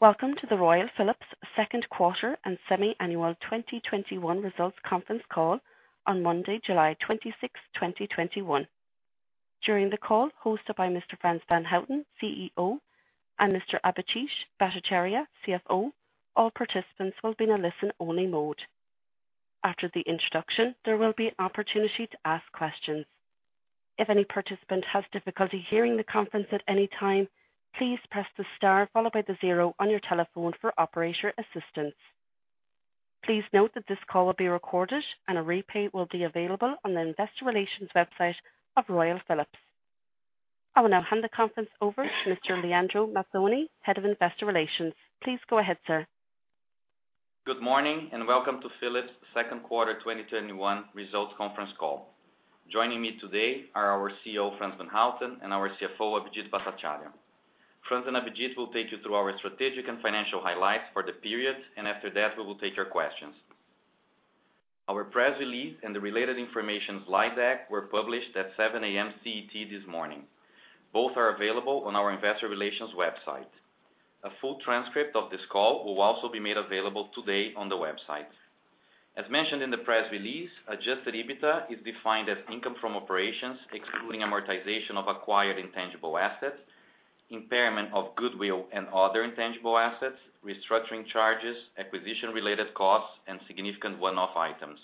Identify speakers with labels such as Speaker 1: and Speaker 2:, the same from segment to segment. Speaker 1: Welcome to the Royal Philips second quarter and semi-annual 2021 results conference call on Monday, July 26th, 2021. During the call hosted by Mr. Frans van Houten, CEO, and Mr. Abhijit Bhattacharya, CFO, all participants will be in a listen-only mode. After the introduction, there will be an opportunity to ask questions. If any participant has difficulty hearing the conference at any time, please press the star followed by the zero on your telephone for operator assistance. Please note that this call will be recorded and a replay will be available on the investor relations website of Royal Philips. I will now hand the conference over to Mr. Leandro Mazzoni, Head of Investor Relations. Please go ahead, sir.
Speaker 2: Good morning and welcome to Philips second quarter 2021 results conference call. Joining me today are our CEO, Frans van Houten, and our CFO, Abhijit Bhattacharya. Frans and Abhijit will take you through our strategic and financial highlights for the period, and after that, we will take your questions. Our press release and the related information slide deck were published at 7:00 A.M. CET this morning. Both are available on our investor relations website. A full transcript of this call will also be made available today on the website. As mentioned in the press release, adjusted EBITDA is defined as income from operations, excluding amortization of acquired intangible assets, impairment of goodwill and other intangible assets, restructuring charges, acquisition related costs, and significant one-off items.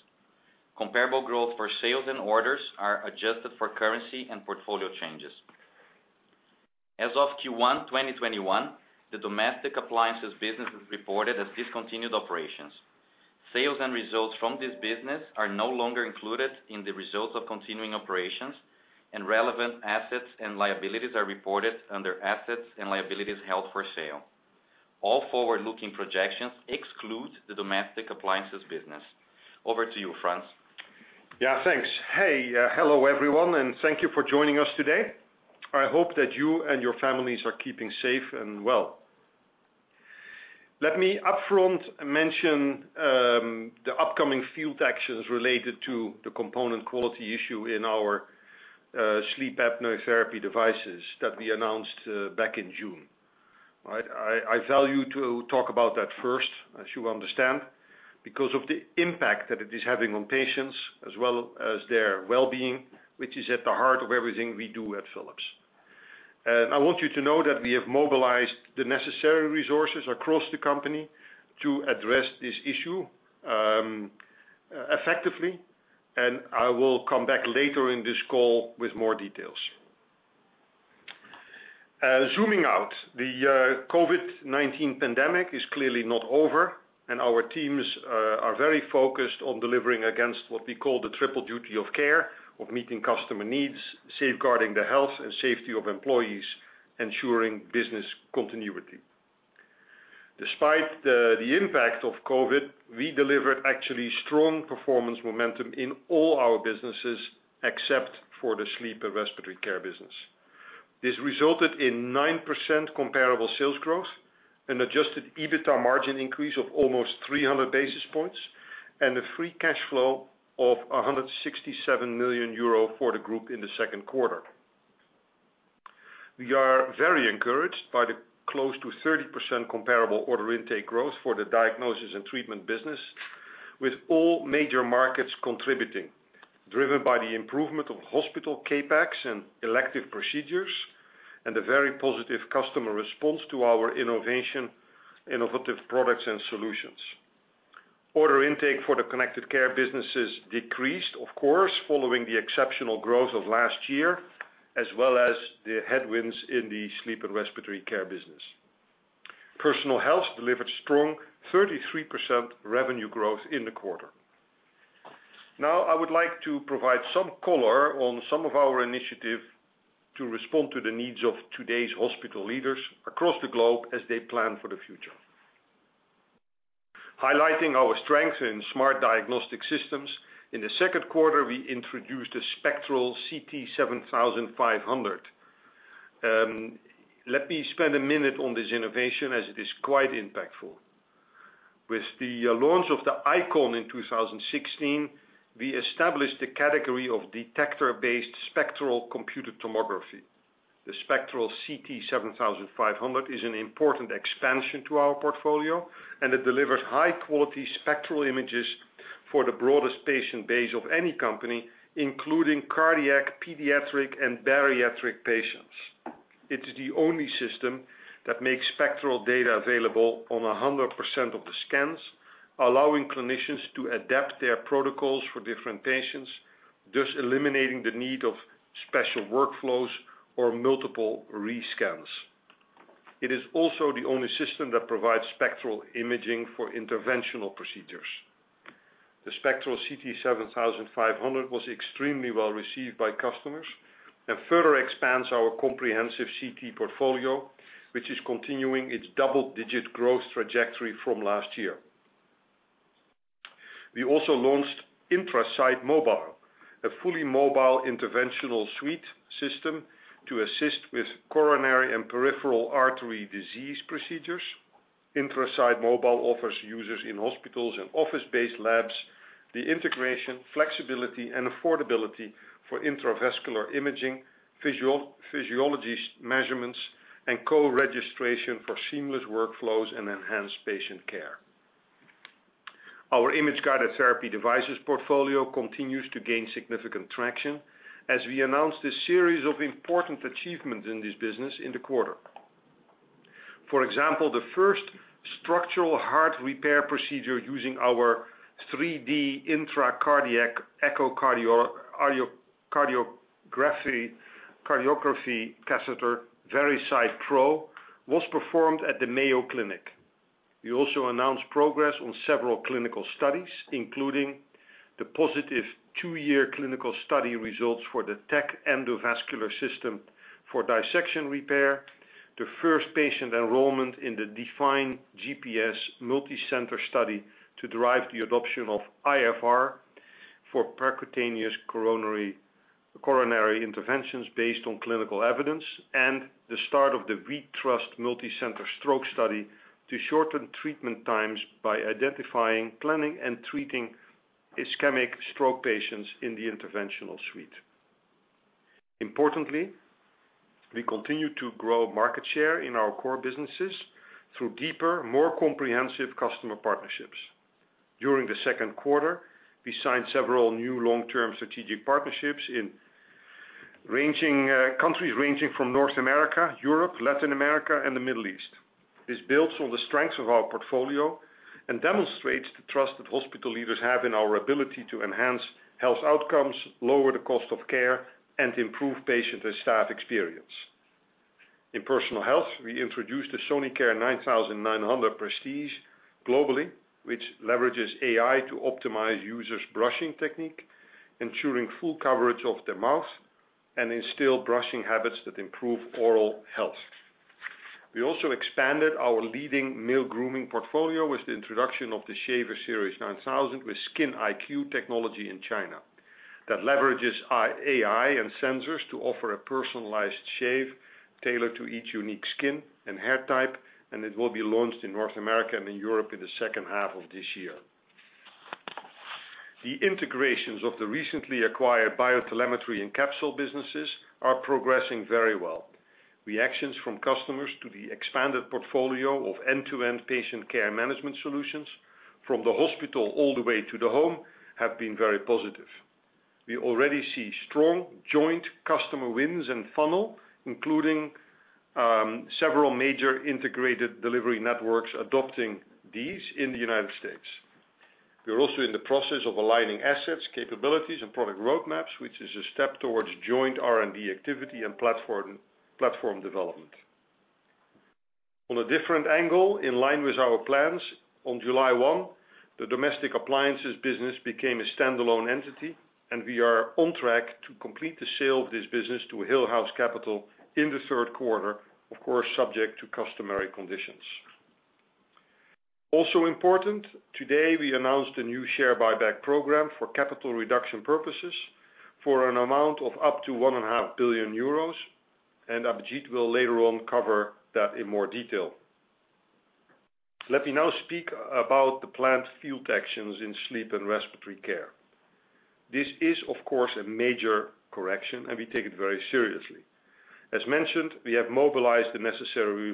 Speaker 2: Comparable growth for sales and orders are adjusted for currency and portfolio changes. As of Q1 2021, the Domestic Appliances business is reported as discontinued operations. Sales and results from this business are no longer included in the results of continuing operations, and relevant assets and liabilities are reported under assets and liabilities held for sale. All forward-looking projections exclude the Domestic Appliances business. Over to you, Frans.
Speaker 3: Yeah, thanks. Hey. Hello, everyone, and thank you for joining us today. I hope that you and your families are keeping safe and well. Let me upfront mention the upcoming field actions related to the component quality issue in our Sleep apnea therapy devices that we announced back in June. I value to talk about that first, as you understand, because of the impact that it is having on patients as well as their well-being, which is at the heart of everything we do at Philips. I want you to know that we have mobilized the necessary resources across the company to address this issue effectively. I will come back later in this call with more details. Zooming out, the COVID-19 pandemic is clearly not over, and our teams are very focused on delivering against what we call the triple duty of care of meeting customer needs, safeguarding the health and safety of employees, ensuring business continuity. Despite the impact of COVID, we delivered actually strong performance momentum in all our businesses except for the Sleep and respiratory care business. This resulted in 9% comparable sales growth, an adjusted EBITDA margin increase of almost 300 basis points, and a free cash flow of 167 million euro for the group in the second quarter. We are very encouraged by the close to 30% comparable order intake growth for the Diagnosis & Treatment business, with all major markets contributing, driven by the improvement of hospital CapEx and elective procedures, and a very positive customer response to our innovative products and solutions. Order intake for the Connected Care businesses decreased, of course, following the exceptional growth of last year, as well as the headwinds in the Sleep and respiratory care business. Personal health delivered strong 33% revenue growth in the quarter. Now, I would like to provide some color on some of our initiative to respond to the needs of today's hospital leaders across the globe as they plan for the future. Highlighting our strength in smart diagnostic systems, in the second quarter, we introduced a Spectral CT 7500. Let me spend a minute on this innovation as it is quite impactful. With the launch of the IQon in 2016, we established a category of detector-based spectral computed tomography. The Spectral CT 7500 is an important expansion to our portfolio, and it delivers high-quality spectral images for the broadest patient base of any company, including cardiac, pediatric, and bariatric patients. It is the only system that makes spectral data available on 100% of the scans, allowing clinicians to adapt their protocols for different patients, thus eliminating the need of special workflows or multiple re-scans. It is also the only system that provides spectral imaging for interventional procedures. The Spectral CT 7500 was extremely well received by customers and further expands our comprehensive CT portfolio, which is continuing its double-digit growth trajectory from last year. We also launched IntraSight Mobile, a fully mobile interventional suite system to assist with coronary and peripheral artery disease procedures. IntraSight Mobile offers users in hospitals and office-based labs the integration, flexibility, and affordability for intravascular imaging, physiology measurements, and co-registration for seamless workflows and enhanced patient care. Our image-guided therapy devices portfolio continues to gain significant traction as we announce this series of important achievements in this business in the quarter. For example, the first structural heart repair procedure using our 3D intracardiac echocardiography catheter, VeriSight Pro, was performed at the Mayo Clinic. We also announced progress on several clinical studies, including the positive two-year clinical study results for the Tack Endovascular System for dissection repair, the first patient enrollment in the DEFINE GPS multicenter study to derive the adoption of iFR for percutaneous coronary interventions based on clinical evidence, and the start of the WE-TRUST multicenter stroke study to shorten treatment times by identifying, planning, and treating ischemic stroke patients in the interventional suite. Importantly, we continue to grow market share in our core businesses through deeper, more comprehensive customer partnerships. During the second quarter, we signed several new long-term strategic partnerships in countries ranging from North America, Europe, Latin America, and the Middle East. This builds on the strengths of our portfolio and demonstrates the trust that hospital leaders have in our ability to enhance health outcomes, lower the cost of care, and improve patient and staff experience. In personal health, we introduced the Sonicare 9900 Prestige globally, which leverages AI to optimize users' brushing technique, ensuring full coverage of their mouth, and instill brushing habits that improve oral health. We also expanded our leading male grooming portfolio with the introduction of the Shaver Series 9000 with SkinIQ technology in China. It leverages AI and sensors to offer a personalized shave tailored to each unique skin and hair type, and it will be launched in North America and in Europe in the second half of this year. The integrations of the recently acquired BioTelemetry and Capsule businesses are progressing very well. Reactions from customers to the expanded portfolio of end-to-end patient care management solutions from the hospital all the way to the home have been very positive. We already see strong joint customer wins and funnel, including several major integrated delivery networks adopting these in the United States. We are also in the process of aligning assets, capabilities, and product roadmaps, which is a step towards joint R&D activity and platform development. On a different angle, in line with our plans, on July 1, the domestic appliances business became a standalone entity, and we are on track to complete the sale of this business to Hillhouse Capital in the third quarter, of course, subject to customary conditions. Also important, today, we announced a new share buyback program for capital reduction purposes for an amount of up to 1.5 billion euros, and Abhijit will later on cover that in more detail. Let me now speak about the planned field actions in Sleep and respiratory care. This is, of course, a major correction, and we take it very seriously. As mentioned, we have mobilized the necessary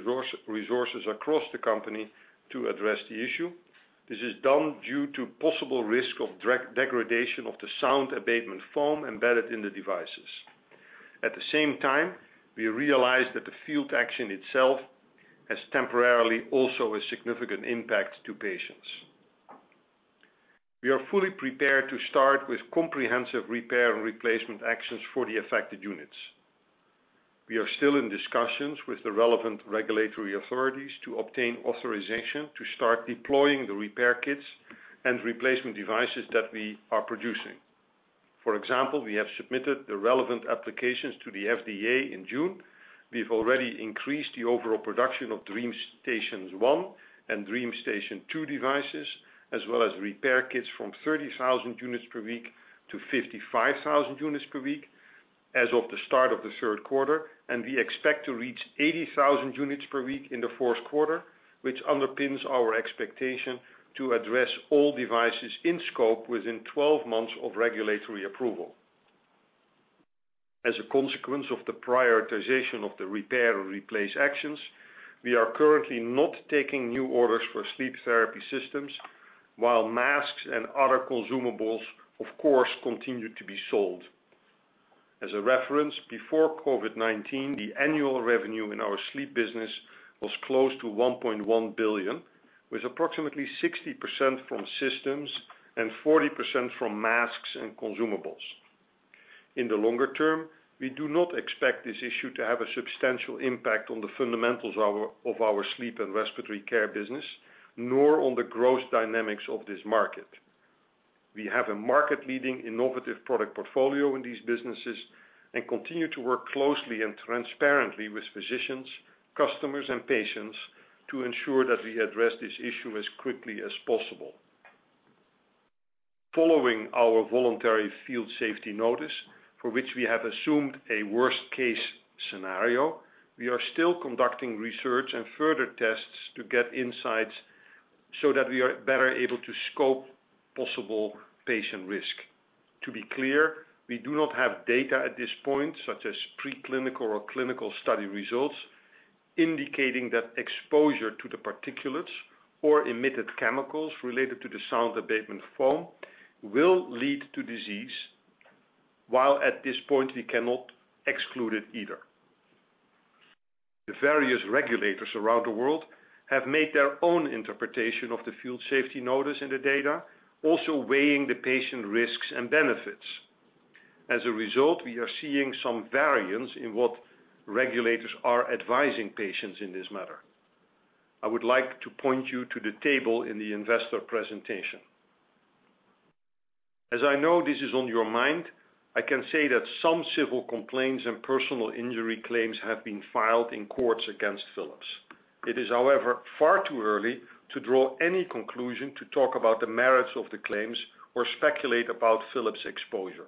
Speaker 3: resources across the company to address the issue. This is done due to possible risk of degradation of the sound abatement foam embedded in the devices. At the same time, we realize that the field action itself has temporarily also a significant impact to patients. We are fully prepared to start with comprehensive repair and replacement actions for the affected units. We are still in discussions with the relevant regulatory authorities to obtain authorization to start deploying the repair kits and replacement devices that we are producing. For example, we have submitted the relevant applications to the FDA in June. We've already increased the overall production of DreamStations 1 and DreamStation 2 devices, as well as repair kits from 30,000 units per week to 55,000 units per week as of the start of the third quarter. We expect to reach 80,000 units per week in the fourth quarter, which underpins our expectation to address all devices in scope within 12 months of regulatory approval. As a consequence of the prioritization of the repair or replace actions, we are currently not taking new orders for Sleep therapy systems, while masks and other consumables, of course, continue to be sold. As a reference, before COVID-19, the annual revenue in our Sleep business was close to $1.1 billion, with approximately 60% from systems and 40% from masks and consumables. In the longer term, we do not expect this issue to have a substantial impact on the fundamentals of our Sleep and respiratory care business, nor on the growth dynamics of this market. We have a market-leading innovative product portfolio in these businesses and continue to work closely and transparently with physicians, customers, and patients to ensure that we address this issue as quickly as possible. Following our voluntary field safety notice, for which we have assumed a worst-case scenario, we are still conducting research and further tests to get insights so that we are better able to scope possible patient risk. To be clear, we do not have data at this point, such as pre-clinical or clinical study results, indicating that exposure to the particulates or emitted chemicals related to the sound abatement foam will lead to disease, while at this point we cannot exclude it either. The various regulators around the world have made their own interpretation of the field safety notice and the data, also weighing the patient risks and benefits. As a result, we are seeing some variance in what regulators are advising patients in this matter. I would like to point you to the table in the investor presentation. As I know this is on your mind, I can say that some civil complaints and personal injury claims have been filed in courts against Philips. It is, however, far too early to draw any conclusion to talk about the merits of the claims or speculate about Philips' exposure.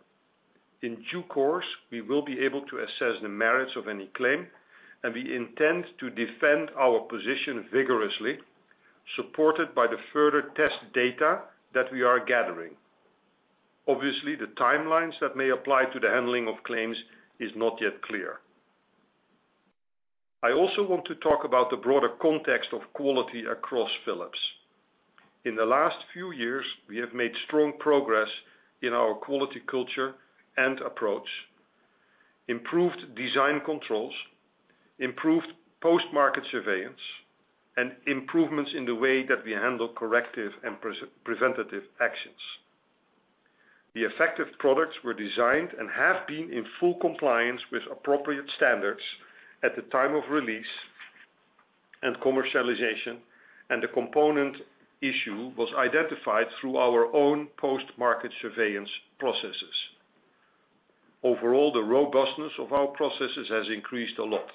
Speaker 3: In due course, we will be able to assess the merits of any claim, and we intend to defend our position vigorously, supported by the further test data that we are gathering. Obviously, the timelines that may apply to the handling of claims is not yet clear. I also want to talk about the broader context of quality across Philips. In the last few years, we have made strong progress in our quality culture and approach, improved design controls, improved post-market surveillance, and improvements in the way that we handle corrective and preventative actions. The affected products were designed and have been in full compliance with appropriate standards at the time of release and commercialization, and the component issue was identified through our own post-market surveillance processes. Overall, the robustness of our processes has increased a lot.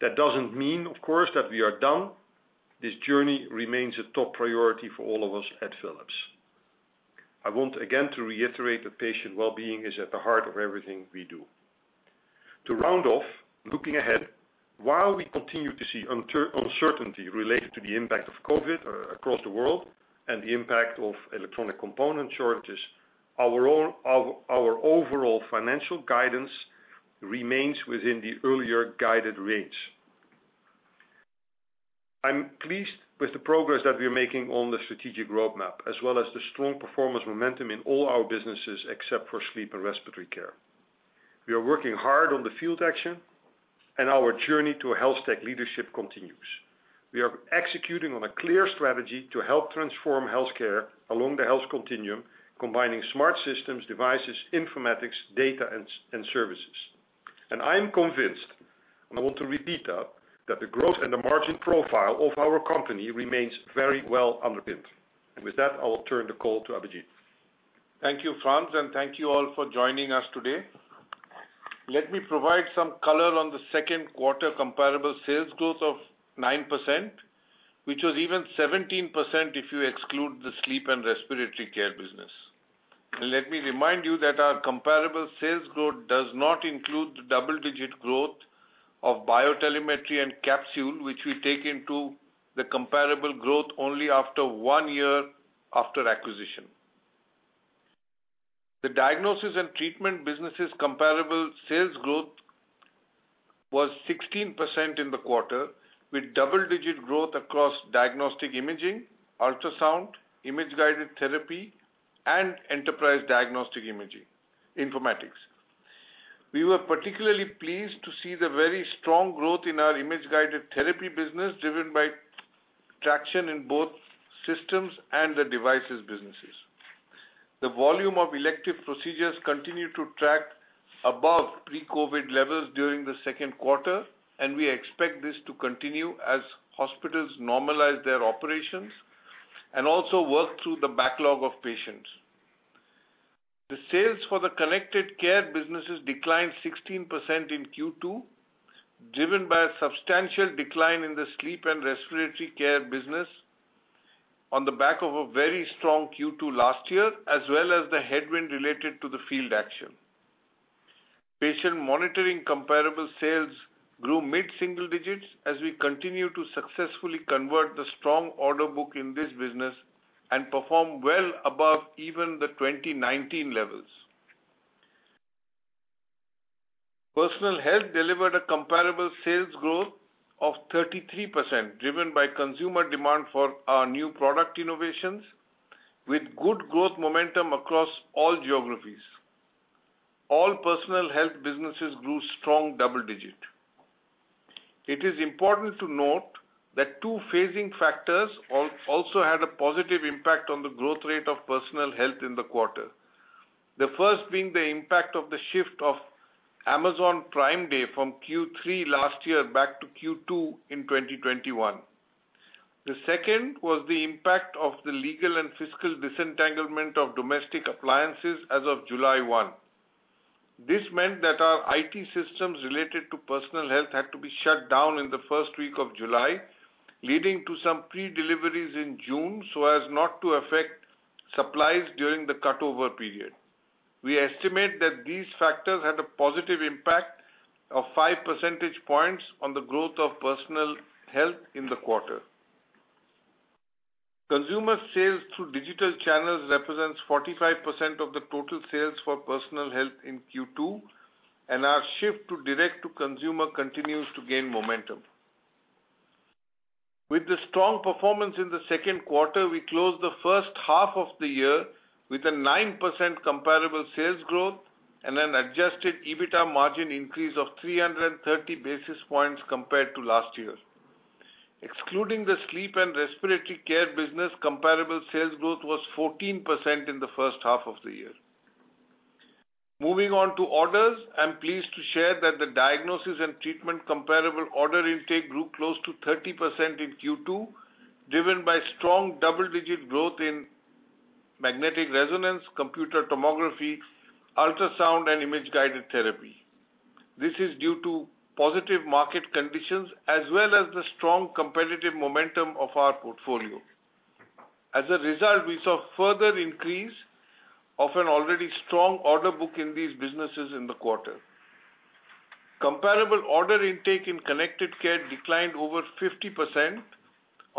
Speaker 3: That doesn't mean, of course, that we are done. This journey remains a top priority for all of us at Philips. I want again to reiterate that patient well-being is at the heart of everything we do. To round off, looking ahead, while we continue to see uncertainty related to the impact of COVID across the world and the impact of electronic component shortages, our overall financial guidance remains within the earlier guided range. I'm pleased with the progress that we are making on the strategic roadmap, as well as the strong performance momentum in all our businesses except for Sleep and respiratory care. We are working hard on the field action. Our journey to health tech leadership continues. We are executing on a clear strategy to help transform healthcare along the health continuum, combining smart systems, devices, informatics, data, and services. I am convinced, and I want to repeat that the growth and the margin profile of our company remains very well underpinned. With that, I will turn the call to Abhijit.
Speaker 4: Thank you, Frans, and thank you all for joining us today. Let me provide some color on the second quarter comparable sales growth of 9%, which was even 17% if you exclude the Sleep and respiratory care business. Let me remind you that our comparable sales growth does not include the double-digit growth of BioTelemetry and Capsule Technologies, which we take into the comparable growth only after one year after acquisition. The Diagnosis & Treatment business's comparable sales growth was 16% in the quarter, with double-digit growth across diagnostic imaging, ultrasound, Image-guided therapy, and enterprise diagnostic imaging informatics. We were particularly pleased to see the very strong growth in our Image-Guided Therapy business, driven by traction in both systems and the devices businesses. The volume of elective procedures continued to track above pre-COVID levels during the second quarter. We expect this to continue as hospitals normalize their operations and also work through the backlog of patients. The sales for the Connected Care businesses declined 16% in Q2, driven by a substantial decline in the Sleep & Respiratory Care business on the back of a very strong Q2 last year, as well as the headwind related to the field action. Patient Monitoring comparable sales grew mid-single digits as we continue to successfully convert the strong order book in this business and perform well above even the 2019 levels. Personal Health delivered a comparable sales growth of 33%, driven by consumer demand for our new product innovations, with good growth momentum across all geographies. All Personal Health businesses grew strong double-digit. It is important to note that two phasing factors also had a positive impact on the growth rate of personal health in the quarter. The first being the impact of the shift of Amazon Prime Day from Q3 last year back to Q2 in 2021. The second was the impact of the legal and fiscal disentanglement of domestic appliances as of July 1. This meant that our IT systems related to personal health had to be shut down in the first week of July, leading to some pre-deliveries in June so as not to affect supplies during the cutover period. We estimate that these factors had a positive impact of five percentage points on the growth of personal health in the quarter. Consumer sales through digital channels represents 45% of the total sales for personal health in Q2. Our shift to direct-to-consumer continues to gain momentum. With the strong performance in the second quarter, we closed the first half of the year with a 9% comparable sales growth and an adjusted EBITA margin increase of 330 basis points compared to last year. Excluding the Sleep and respiratory care business, comparable sales growth was 14% in the first half of the year. Moving on to orders, I'm pleased to share that the Diagnosis & Treatment comparable order intake grew close to 30% in Q2, driven by strong double-digit growth in magnetic resonance, computer tomography, ultrasound, and Image-Guided Therapy. This is due to positive market conditions as well as the strong competitive momentum of our portfolio. As a result, we saw further increase of an already strong order book in these businesses in the quarter. Comparable order intake in Connected Care declined over 50%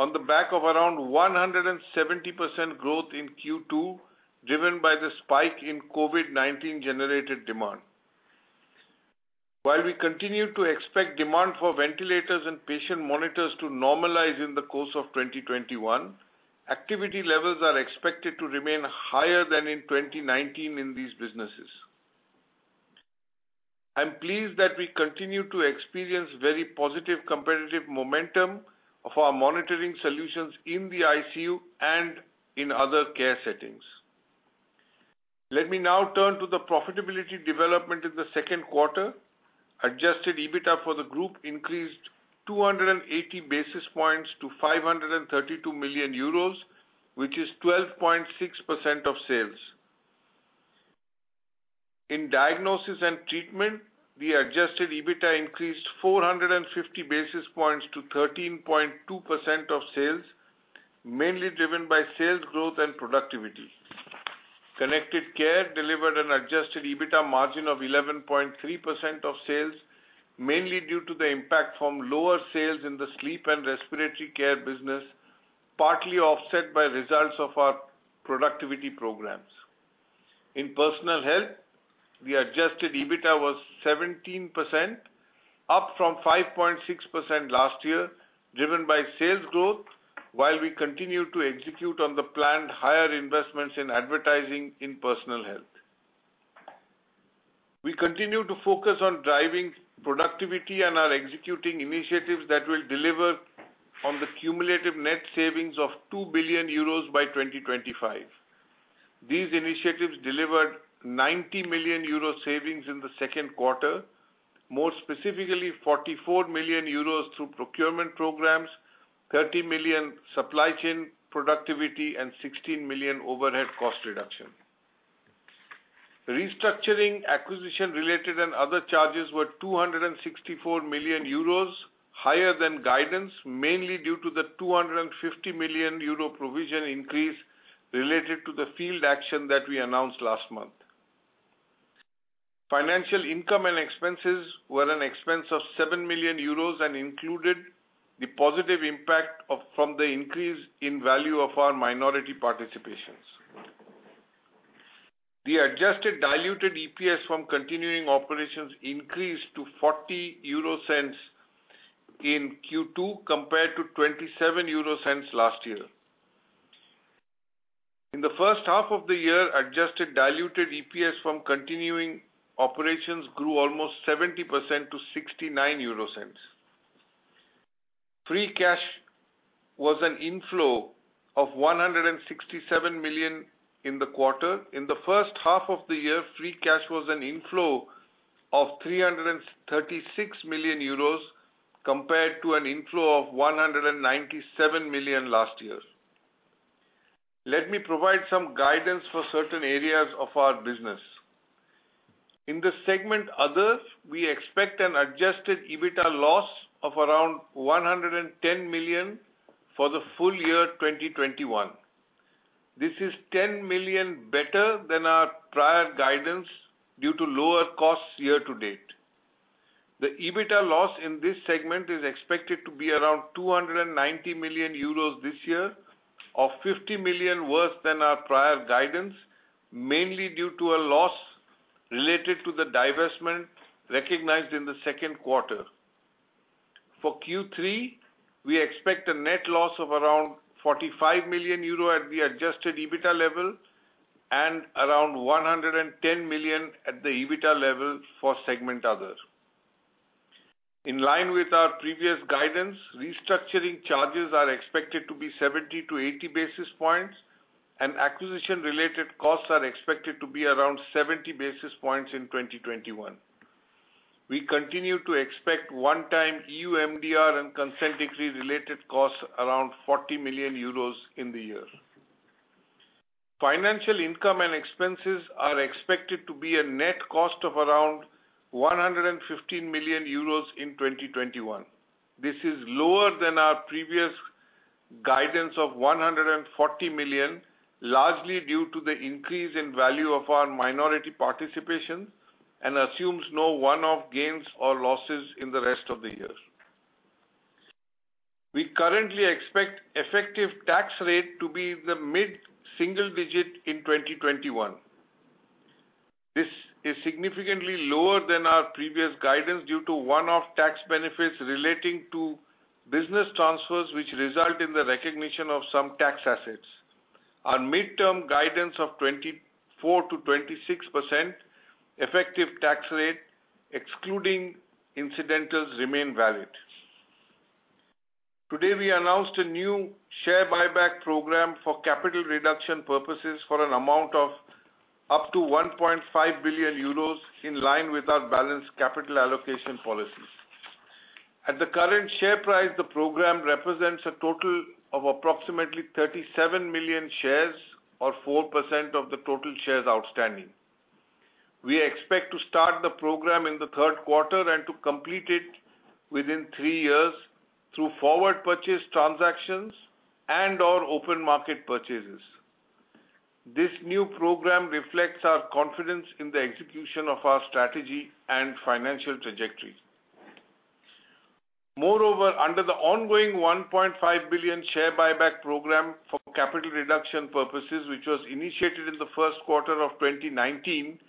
Speaker 4: on the back of around 170% growth in Q2, driven by the spike in COVID-19-generated demand. While we continue to expect demand for ventilators and patient monitors to normalize in the course of 2021, activity levels are expected to remain higher than in 2019 in these businesses. I'm pleased that we continue to experience very positive competitive momentum of our monitoring solutions in the ICU and in other care settings. Let me now turn to the profitability development in the second quarter. Adjusted EBITA for the group increased 280 basis points to 532 million euros, which is 12.6% of sales. In Diagnosis & Treatment, the adjusted EBITA increased 450 basis points to 13.2% of sales, mainly driven by sales growth and productivity. Connected Care delivered an adjusted EBITA margin of 11.3% of sales, mainly due to the impact from lower sales in the Sleep and respiratory care business, partly offset by results of our productivity programs. In personal health, the adjusted EBITA was 17%, up from 5.6% last year, driven by sales growth, while we continue to execute on the planned higher investments in advertising in personal health. We continue to focus on driving productivity and are executing initiatives that will deliver on the cumulative net savings of 2 billion euros by 2025. These initiatives delivered 90 million euro savings in the second quarter, more specifically, 44 million euros through procurement programs, 30 million supply chain productivity, and 16 million overhead cost reduction. Restructuring acquisition related and other charges were 264 million euros, higher than guidance, mainly due to the 250 million euro provision increase related to the field action that we announced last month. Financial income and expenses were an expense of 7 million euros and included the positive impact from the increase in value of our minority participations. The adjusted diluted EPS from continuing operations increased to 0.40 in Q2 compared to 0.27 last year. In the first half of the year, adjusted diluted EPS from continuing operations grew almost 70% to 0.69. Free cash was an inflow of 167 million in the quarter. In the first half of the year, free cash was an inflow of 336 million euros compared to an inflow of 197 million last year. Let me provide some guidance for certain areas of our business. In the segment Others, we expect an adjusted EBITA loss of around 110 million for the full year 2021. This is 10 million better than our prior guidance due to lower costs year to date. The EBITA loss in this segment is expected to be around 290 million euros this year, or 50 million worse than our prior guidance, mainly due to a loss related to the divestment recognized in the second quarter. For Q3, we expect a net loss of around 45 million euro at the adjusted EBITA level and around 110 million at the EBITA level for segment other. In line with our previous guidance, restructuring charges are expected to be 70-80 basis points, and acquisition related costs are expected to be around 70 basis points in 2021. We continue to expect one-time EU MDR and consent decree related costs around 40 million euros in the year. Financial income and expenses are expected to be a net cost of around 115 million euros in 2021. This is lower than our previous guidance of 140 million, largely due to the increase in value of our minority participation and assumes no one-off gains or losses in the rest of the year. We currently expect effective tax rate to be in the mid-single digit in 2021. This is significantly lower than our previous guidance due to one-off tax benefits relating to business transfers, which result in the recognition of some tax assets. Our midterm guidance of 24%-26% effective tax rate, excluding incidentals, remain valid. Today, we announced a new share buyback program for capital reduction purposes for an amount of up to €1.5 billion in line with our balanced capital allocation policies. At the current share price, the program represents a total of approximately 37 million shares or 4% of the total shares outstanding. We expect to start the program in the third quarter and to complete it within three years through forward purchase transactions and/or open market purchases. This new program reflects our confidence in the execution of our strategy and financial trajectory. Moreover, under the ongoing €1.5 billion share buyback program for capital reduction purposes, which was initiated in the first quarter of 2019,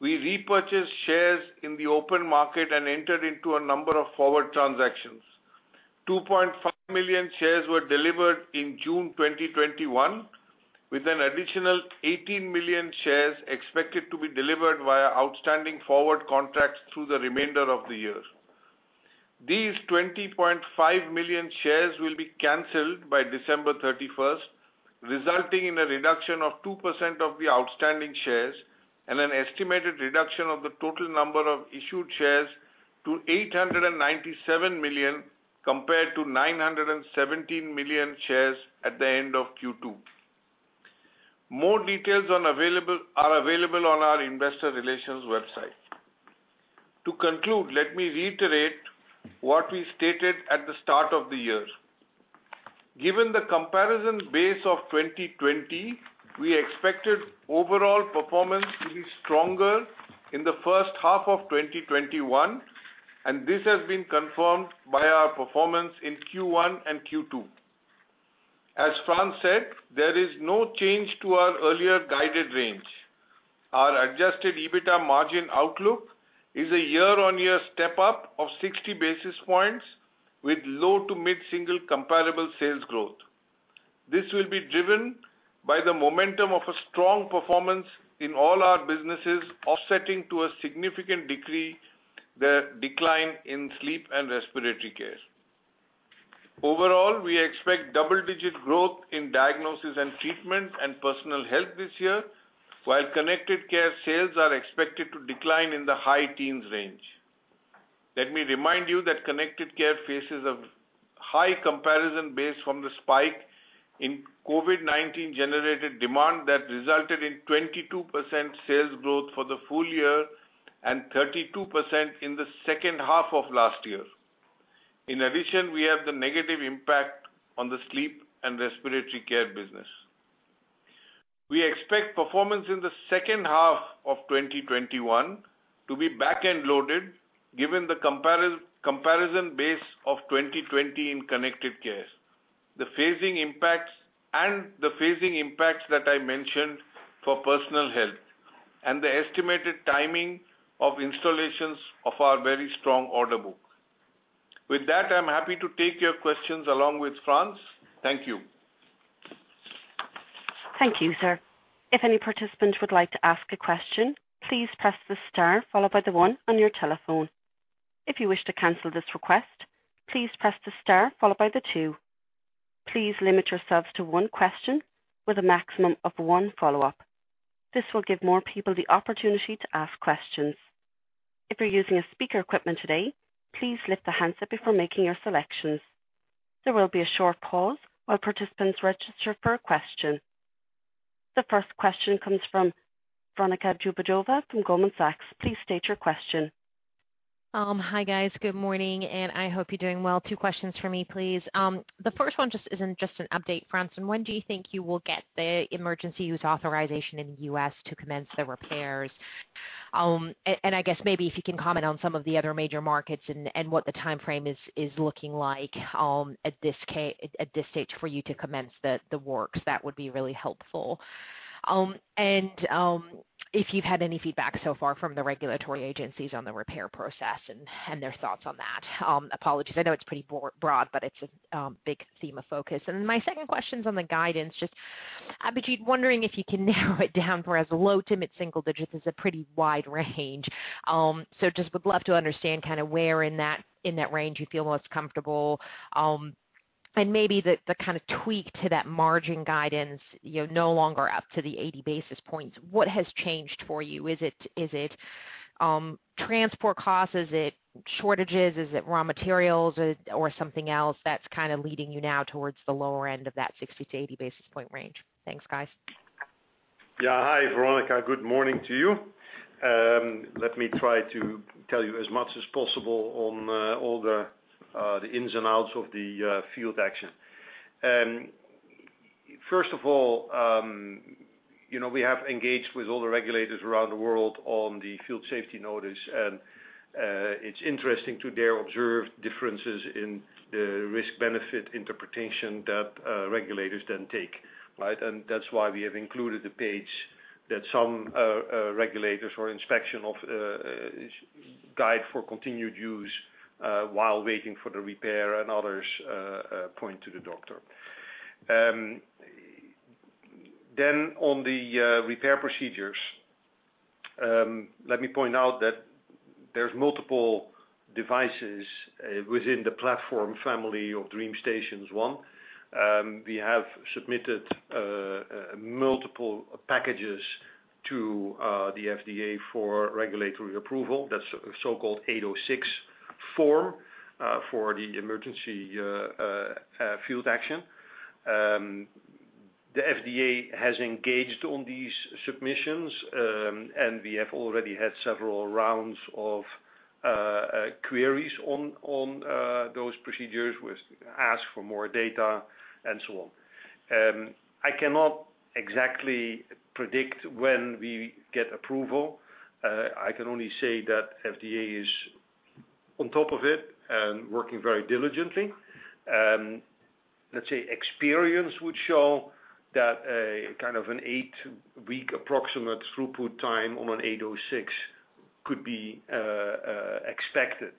Speaker 4: we repurchased shares in the open market and entered into a number of forward transactions. 2.5 million shares were delivered in June 2021, with an additional 18 million shares expected to be delivered via outstanding forward contracts through the remainder of the year. These 20.5 million shares will be canceled by December 31st, resulting in a reduction of 2% of the outstanding shares and an estimated reduction of the total number of issued shares to 897 million, compared to 917 million shares at the end of Q2. More details are available on our investor relations website. To conclude, let me reiterate what we stated at the start of the year. Given the comparison base of 2020, we expected overall performance to be stronger in the first half of 2021, and this has been confirmed by our performance in Q1 and Q2. As Frans said, there is no change to our earlier guided range. Our adjusted EBITA margin outlook is a year-on-year step-up of 60 basis points with low to mid-single comparable sales growth. This will be driven by the momentum of a strong performance in all our businesses offsetting to a significant decline in Sleep and respiratory care. Overall, we expect double-digit growth in Diagnosis & Treatment and personal health this year, while Connected Care sales are expected to decline in the high teens range. Let me remind you that Connected Care faces a high comparison base from the spike in COVID-19 generated demand that resulted in 22% sales growth for the full year and 32% in the second half of last year. In addition, we have the negative impact on the Sleep and respiratory care business. We expect performance in the second half of 2021 to be back-end loaded given the comparison base of 2020 in Connected Care, the phasing impacts that I mentioned for Personal Health, and the estimated timing of installations of our very strong order book. With that, I'm happy to take your questions along with Frans. Thank you.
Speaker 1: Thank you, sir. If any participant would like to ask a question, please press the star followed by the one on your telephone. If you wish to cancel this request, please press the star followed by the two. Please limit yourselves to one question with a maximum of one follow-up. This will give more people the opportunity to ask questions. If you're using speaker equipment today, please lift the handset before making your selections. There will be a short pause while participants register for a question. The first question comes from Veronika Dubajova from Goldman Sachs. Please state your question.
Speaker 5: Hi, guys. Good morning, and I hope you're doing well. Two questions from me, please. The first one just is an update, Frans. When do you think you will get the emergency use authorization in the U.S. to commence the repairs? I guess maybe if you can comment on some of the other major markets and what the timeframe is looking like at this stage for you to commence the works, that would be really helpful. If you've had any feedback so far from the regulatory agencies on the repair process and their thoughts on that. Apologies, I know it's pretty broad, but it's a big theme of focus. My second question is on the guidance. Just, Abhijit, wondering if you can narrow it down for us. Low to mid-single digits is a pretty wide range. Just would love to understand where in that range you feel most comfortable. Maybe the kind of tweak to that margin guidance, no longer up to the 80 basis points. What has changed for you? Is it transport costs? Is it shortages? Is it raw materials or something else that's kind of leading you now towards the lower end of that 60 basis points to 80 basis point range? Thanks, guys.
Speaker 3: Yeah. Hi, Veronika. Good morning to you. Let me try to tell you as much as possible on all the ins and outs of the field action. First of all, we have engaged with all the regulators around the world on the field safety notice, it's interesting to there observe differences in the risk-benefit interpretation that regulators then take. That's why we have included the page that some regulators or inspection guide for continued use while waiting for the repair and others point to the doctor. On the repair procedures, let me point out that there's multiple devices within the platform family of DreamStation 1. We have submitted multiple packages to the FDA for regulatory approval. That's a so-called 806 form for the emergency field action. The FDA has engaged on these submissions, and we have already had several rounds of queries on those procedures with asks for more data and so on. I cannot exactly predict when we get approval. I can only say that FDA is on top of it and working very diligently. Let's say experience would show that a kind of an eight-week approximate throughput time on an 806 could be expected.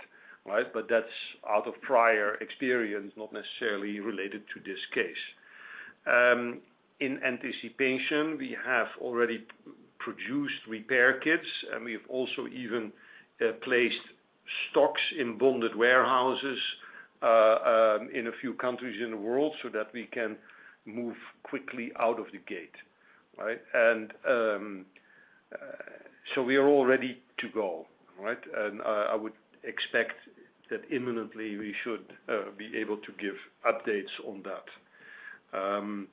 Speaker 3: That's out of prior experience, not necessarily related to this case. In anticipation, we have already produced repair kits, and we've also even placed stocks in bonded warehouses in a few countries in the world so that we can move quickly out of the gate. We are all ready to go. I would expect that imminently we should be able to give updates on that.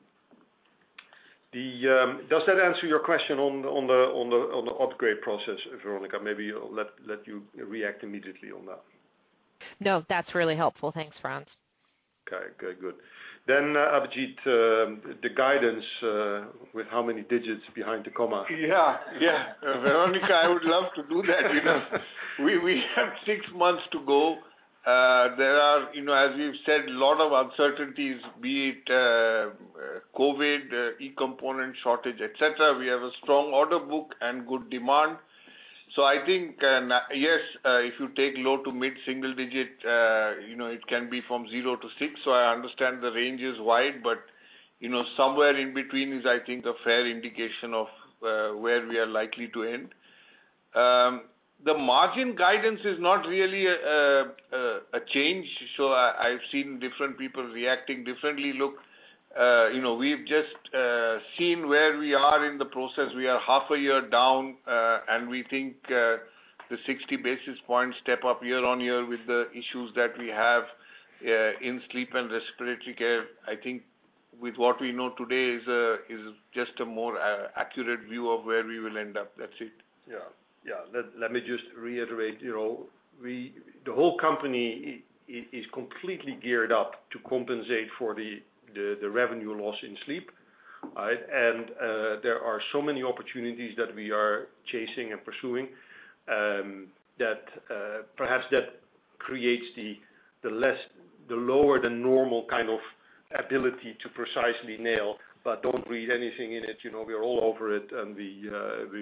Speaker 3: Does that answer your question on the upgrade process, Veronika? Maybe I'll let you react immediately on that.
Speaker 5: No, that's really helpful. Thanks, Frans.
Speaker 3: Okay. Good. Abhijit, the guidance with how many digits behind the comma?
Speaker 4: Veronika, I would love to do that because we have six months to go. There are, as you've said, lot of uncertainties, be it COVID, e-component shortage, et cetera. We have a strong order book and good demand. I think, yes, if you take low to mid-single digit, it can be from zero to six. I understand the range is wide, somewhere in between is, I think, a fair indication of where we are likely to end. The margin guidance is not really a change. I've seen different people reacting differently. Look, we've just seen where we are in the process. We are half a year down, and we think, the 60 basis point step-up year-on-year with the issues that we have in Sleep and respiratory care, I think with what we know today is just a more accurate view of where we will end up. That's it.
Speaker 3: Yeah. Let me just reiterate. The whole company is completely geared up to compensate for the revenue loss in Sleep. There are so many opportunities that we are chasing and pursuing that perhaps that creates the lower than normal kind of ability to precisely nail, but don't read anything in it. We are all over it, and we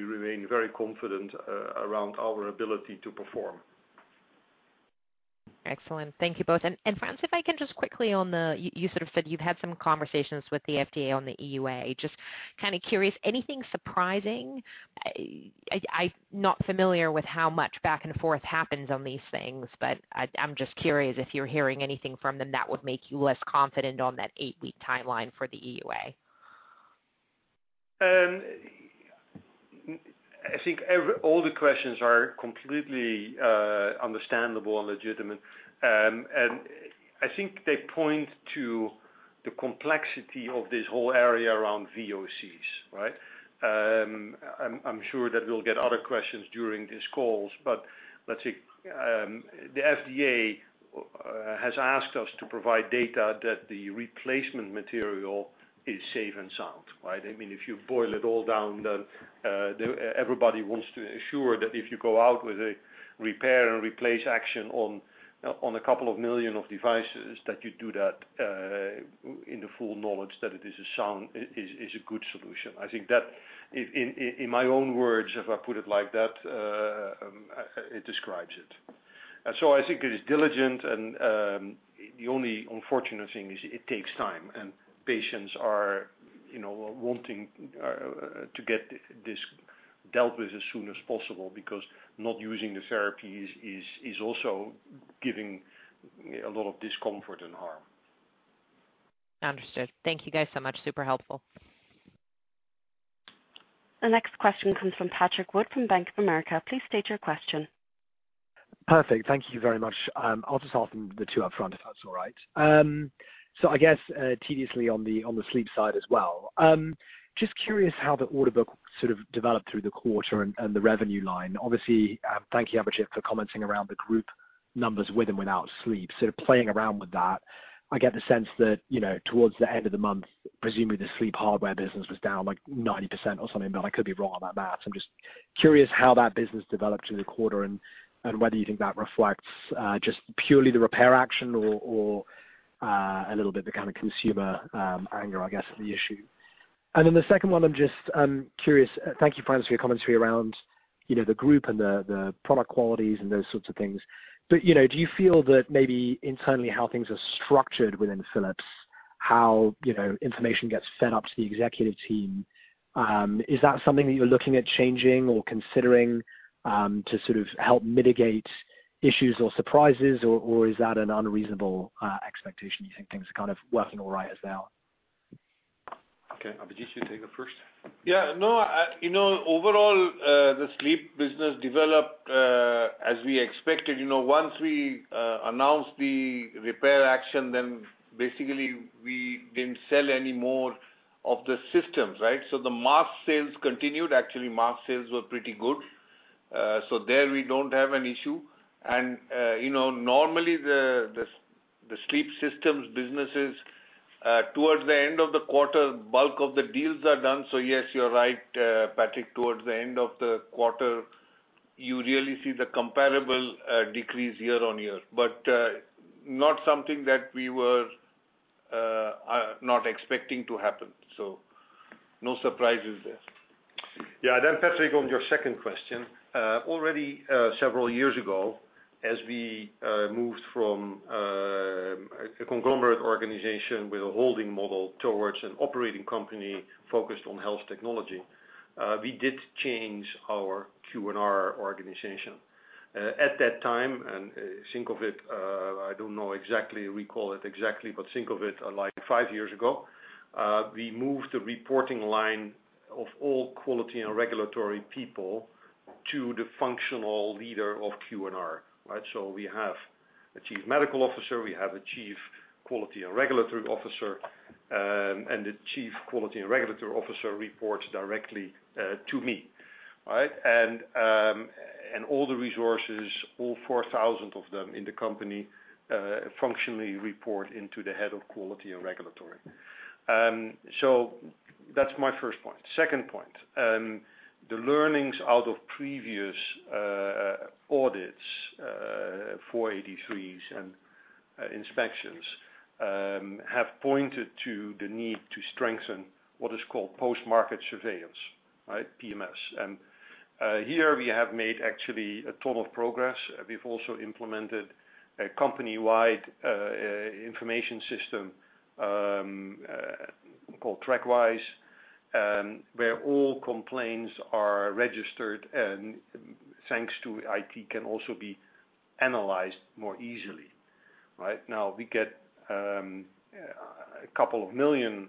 Speaker 3: remain very confident around our ability to perform.
Speaker 5: Excellent. Thank you both. Frans, if I can just quickly, you sort of said you've had some conversations with the FDA on the EUA. Just kind of curious, anything surprising? I'm not familiar with how much back and forth happens on these things, I'm just curious if you're hearing anything from them that would make you less confident on that eight-week timeline for the EUA.
Speaker 3: I think all the questions are completely understandable and legitimate. I think they point to the complexity of this whole area around VOCs. I'm sure that we'll get other questions during these calls, but let's see. The FDA has asked us to provide data that the replacement material is safe and sound. If you boil it all down, then everybody wants to ensure that if you go out with a repair and replace action on a couple of million of devices, that you do that in the full knowledge that it is a good solution. I think that, in my own words, if I put it like that, it describes it. I think it is diligent and the only unfortunate thing is it takes time, and patients are wanting to get this dealt with as soon as possible because not using the therapy is also giving a lot of discomfort and harm.
Speaker 5: Understood. Thank you guys so much. Super helpful.
Speaker 1: The next question comes from Patrick Wood from Bank of America. Please state your question.
Speaker 6: Perfect. Thank you very much. I'll just ask the two up front, if that's all right. I guess, tediously on the Sleep side as well. Just curious how the order book sort of developed through the quarter and the revenue line, obviously. Thank you, Abhijit, for commenting around the group numbers with and without Sleep. Sort of playing around with that, I get the sense that, towards the end of the month, presumably the Sleep hardware business was down like 90% or something, but I could be wrong about that. I'm just curious how that business developed through the quarter and whether you think that reflects just purely the repair action or a little bit the kind of consumer anger, I guess, the issue. The second one, I'm just curious. Thank you, Frans, for your commentary around the group and the product qualities and those sorts of things. Do you feel that maybe internally, how things are structured within Philips, how information gets fed up to the executive team, is that something that you're looking at changing or considering to sort of help mitigate issues or surprises, or is that an unreasonable expectation? You think things are kind of working all right as now?
Speaker 3: Okay. Abhijit, you take it first.
Speaker 4: Yeah. Overall, the Sleep business developed, as we expected. Once we announced the repair action, then basically we didn't sell any more of the systems, right? The mask sales continued. Actually, mask sales were pretty good. There we don't have an issue. Normally the Sleep systems business is towards the end of the quarter, bulk of the deals are done. Yes, you're right, Patrick. Towards the end of the quarter, you really see the comparable decrease year-on-year, but not something that we were not expecting to happen. No surprises there.
Speaker 3: Yeah. Patrick, on your second question. Already, several years ago, as we moved from a conglomerate organization with a holding model towards an operating company focused on health technology, we did change our Q&R organization. At that time, think of it, I don't know exactly recall it exactly, but think of it like five years ago. We moved the reporting line of all quality and regulatory people to the functional leader of Q&R, right? We have a Chief Medical Officer, we have a Chief Quality and Regulatory Officer, the Chief Quality and Regulatory Officer reports directly to me, right? All the resources, all 4,000 of them in the company, functionally report into the head of quality and regulatory. That's my first point. Second point. The learnings out of previous audits, 483s, and inspections, have pointed to the need to strengthen what is called post-market surveillance, right? PMS. Here we have made actually a ton of progress. We've also implemented a company-wide information system, called TrackWise, where all complaints are registered and thanks to IT, can also be analyzed more easily. Right now, we get a couple of million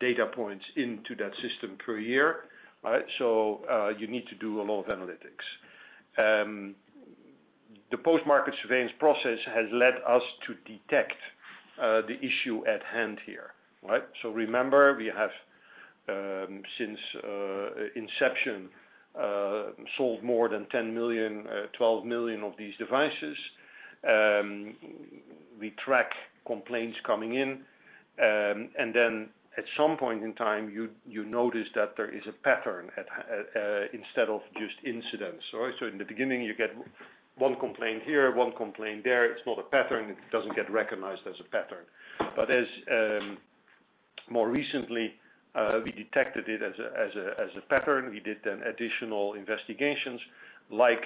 Speaker 3: data points into that system per year. You need to do a lot of analytics. The post-market surveillance process has led us to detect the issue at hand here. Remember, we have, since inception, sold more than 10 million, 12 million of these devices. We track complaints coming in, then at some point in time, you notice that there is a pattern instead of just incidents. In the beginning, you get one complaint here, one complaint there. It's not a pattern. It doesn't get recognized as a pattern. As more recently, we detected it as a pattern. We did then additional investigations like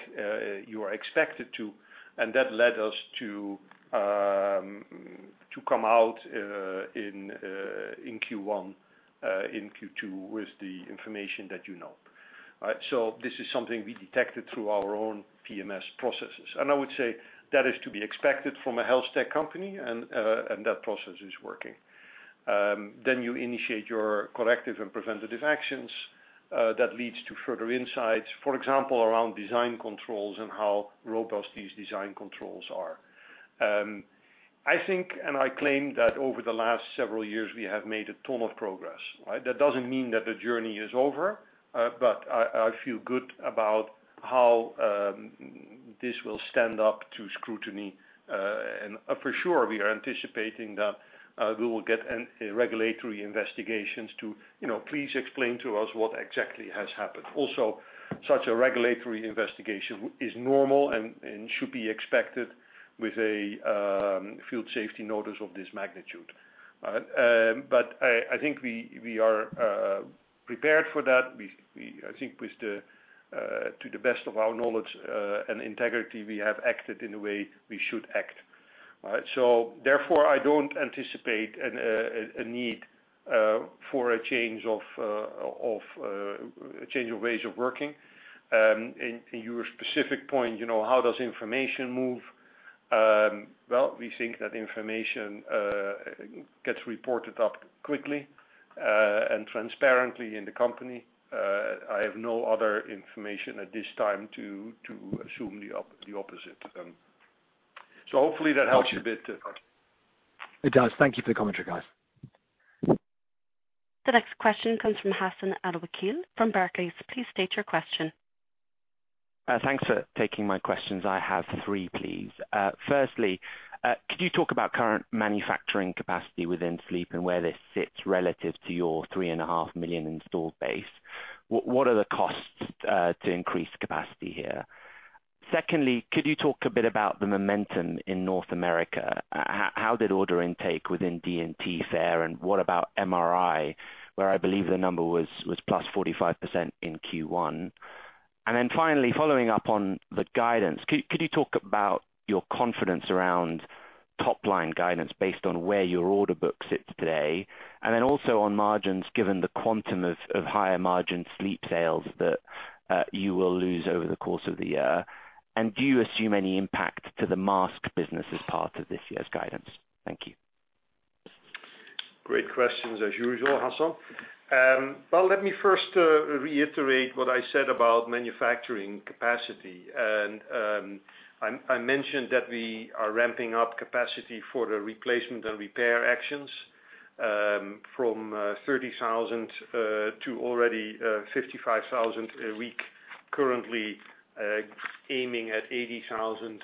Speaker 3: you are expected to, and that led us to come out in Q2 with the information that you know. This is something we detected through our own PMS processes, and I would say that is to be expected from a health tech company. That process is working. You initiate your corrective and preventative actions. That leads to further insights, for example, around design controls and how robust these design controls are. I think, and I claim that over the last several years, we have made a ton of progress. That doesn't mean that the journey is over, but I feel good about how this will stand up to scrutiny. For sure, we are anticipating that we will get regulatory investigations to please explain to us what exactly has happened. Also, such a regulatory investigation is normal and should be expected with a field safety notice of this magnitude. I think we are prepared for that. I think to the best of our knowledge, and integrity, we have acted in a way we should act. Therefore, I don't anticipate a need for a change of ways of working. In your specific point, how does information move? Well, we think that information gets reported up quickly and transparently in the company. I have no other information at this time to assume the opposite. Hopefully that helps a bit.
Speaker 6: It does. Thank you for the commentary, guys.
Speaker 1: The next question comes from Hassan Al-Wakeel from Barclays. Please state your question.
Speaker 7: Thanks for taking my questions. I have three, please. Firstly, could you talk about current manufacturing capacity within Sleep and where this sits relative to your 3.5 million installed base? What are the costs to increase capacity here? Secondly, could you talk a bit about the momentum in North America? How did order intake within Diagnosis & Treatment fare, and what about MRI, where I believe the number was +45% in Q1? Finally, following up on the guidance, could you talk about your confidence around top-line guidance based on where your order book sits today? Also on margins, given the quantum of higher margin Sleep sales that you will lose over the course of the year. Do you assume any impact to the mask business as part of this year's guidance? Thank you.
Speaker 3: Great questions as usual, Hassan. Well, let me first reiterate what I said about manufacturing capacity. I mentioned that we are ramping up capacity for the replacement and repair actions from 30,000 to already 55,000 a week. Currently, aiming at 80,000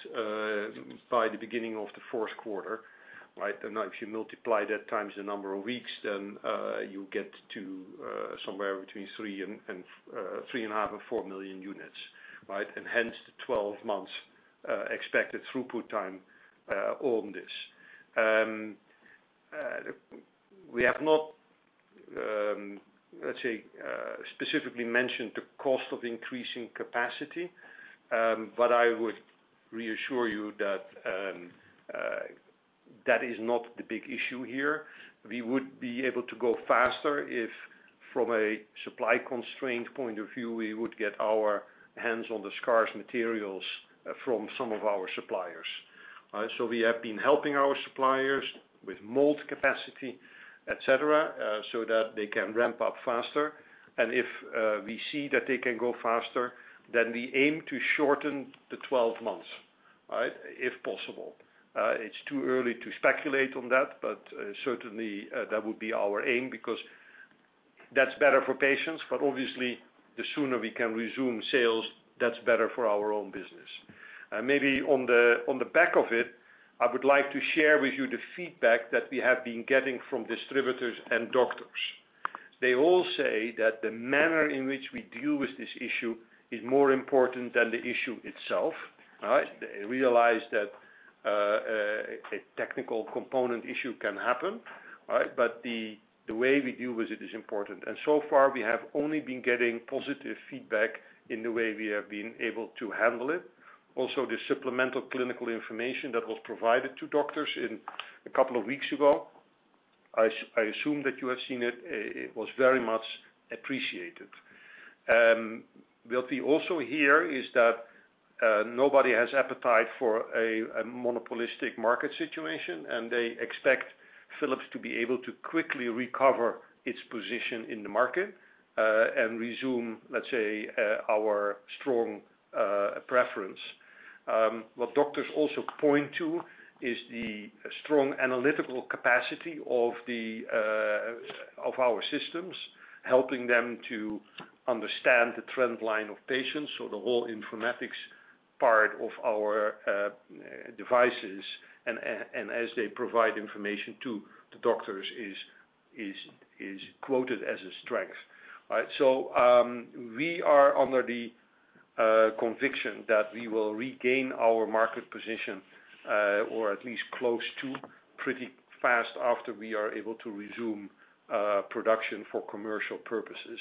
Speaker 3: by the beginning of the fourth quarter. Right? Now if you multiply that times the number of weeks, then you get to somewhere between 3.5 million or 4 million units. Right? Hence the 12 months, expected throughput time on this. We have not, let's say, specifically mentioned the cost of increasing capacity. I would reassure you that is not the big issue here. We would be able to go faster if from a supply constraint point of view, we would get our hands on the scarce materials from some of our suppliers. Right? We have been helping our suppliers with mold capacity, et cetera, so that they can ramp up faster. If we see that they can go faster, then we aim to shorten the 12 months, right? If possible. It's too early to speculate on that, but certainly, that would be our aim, because that's better for patients. Obviously, the sooner we can resume sales, that's better for our own business. Maybe on the back of it, I would like to share with you the feedback that we have been getting from distributors and doctors. They all say that the manner in which we deal with this issue is more important than the issue itself. All right? They realize that a technical component issue can happen. Right? The way we deal with it is important. So far, we have only been getting positive feedback in the way we have been able to handle it. The supplemental clinical information that was provided to doctors in a couple of weeks ago, I assume that you have seen it was very much appreciated. What we also hear is that nobody has appetite for a monopolistic market situation, and they expect Philips to be able to quickly recover its position in the market, and resume, let's say, our strong preference. What doctors also point to is the strong analytical capacity of our systems, helping them to understand the trend line of patients. The whole informatics part of our devices, and as they provide information to the doctors, is quoted as a strength. Right? We are under the conviction that we will regain our market position, or at least close to pretty fast after we are able to resume production for commercial purposes.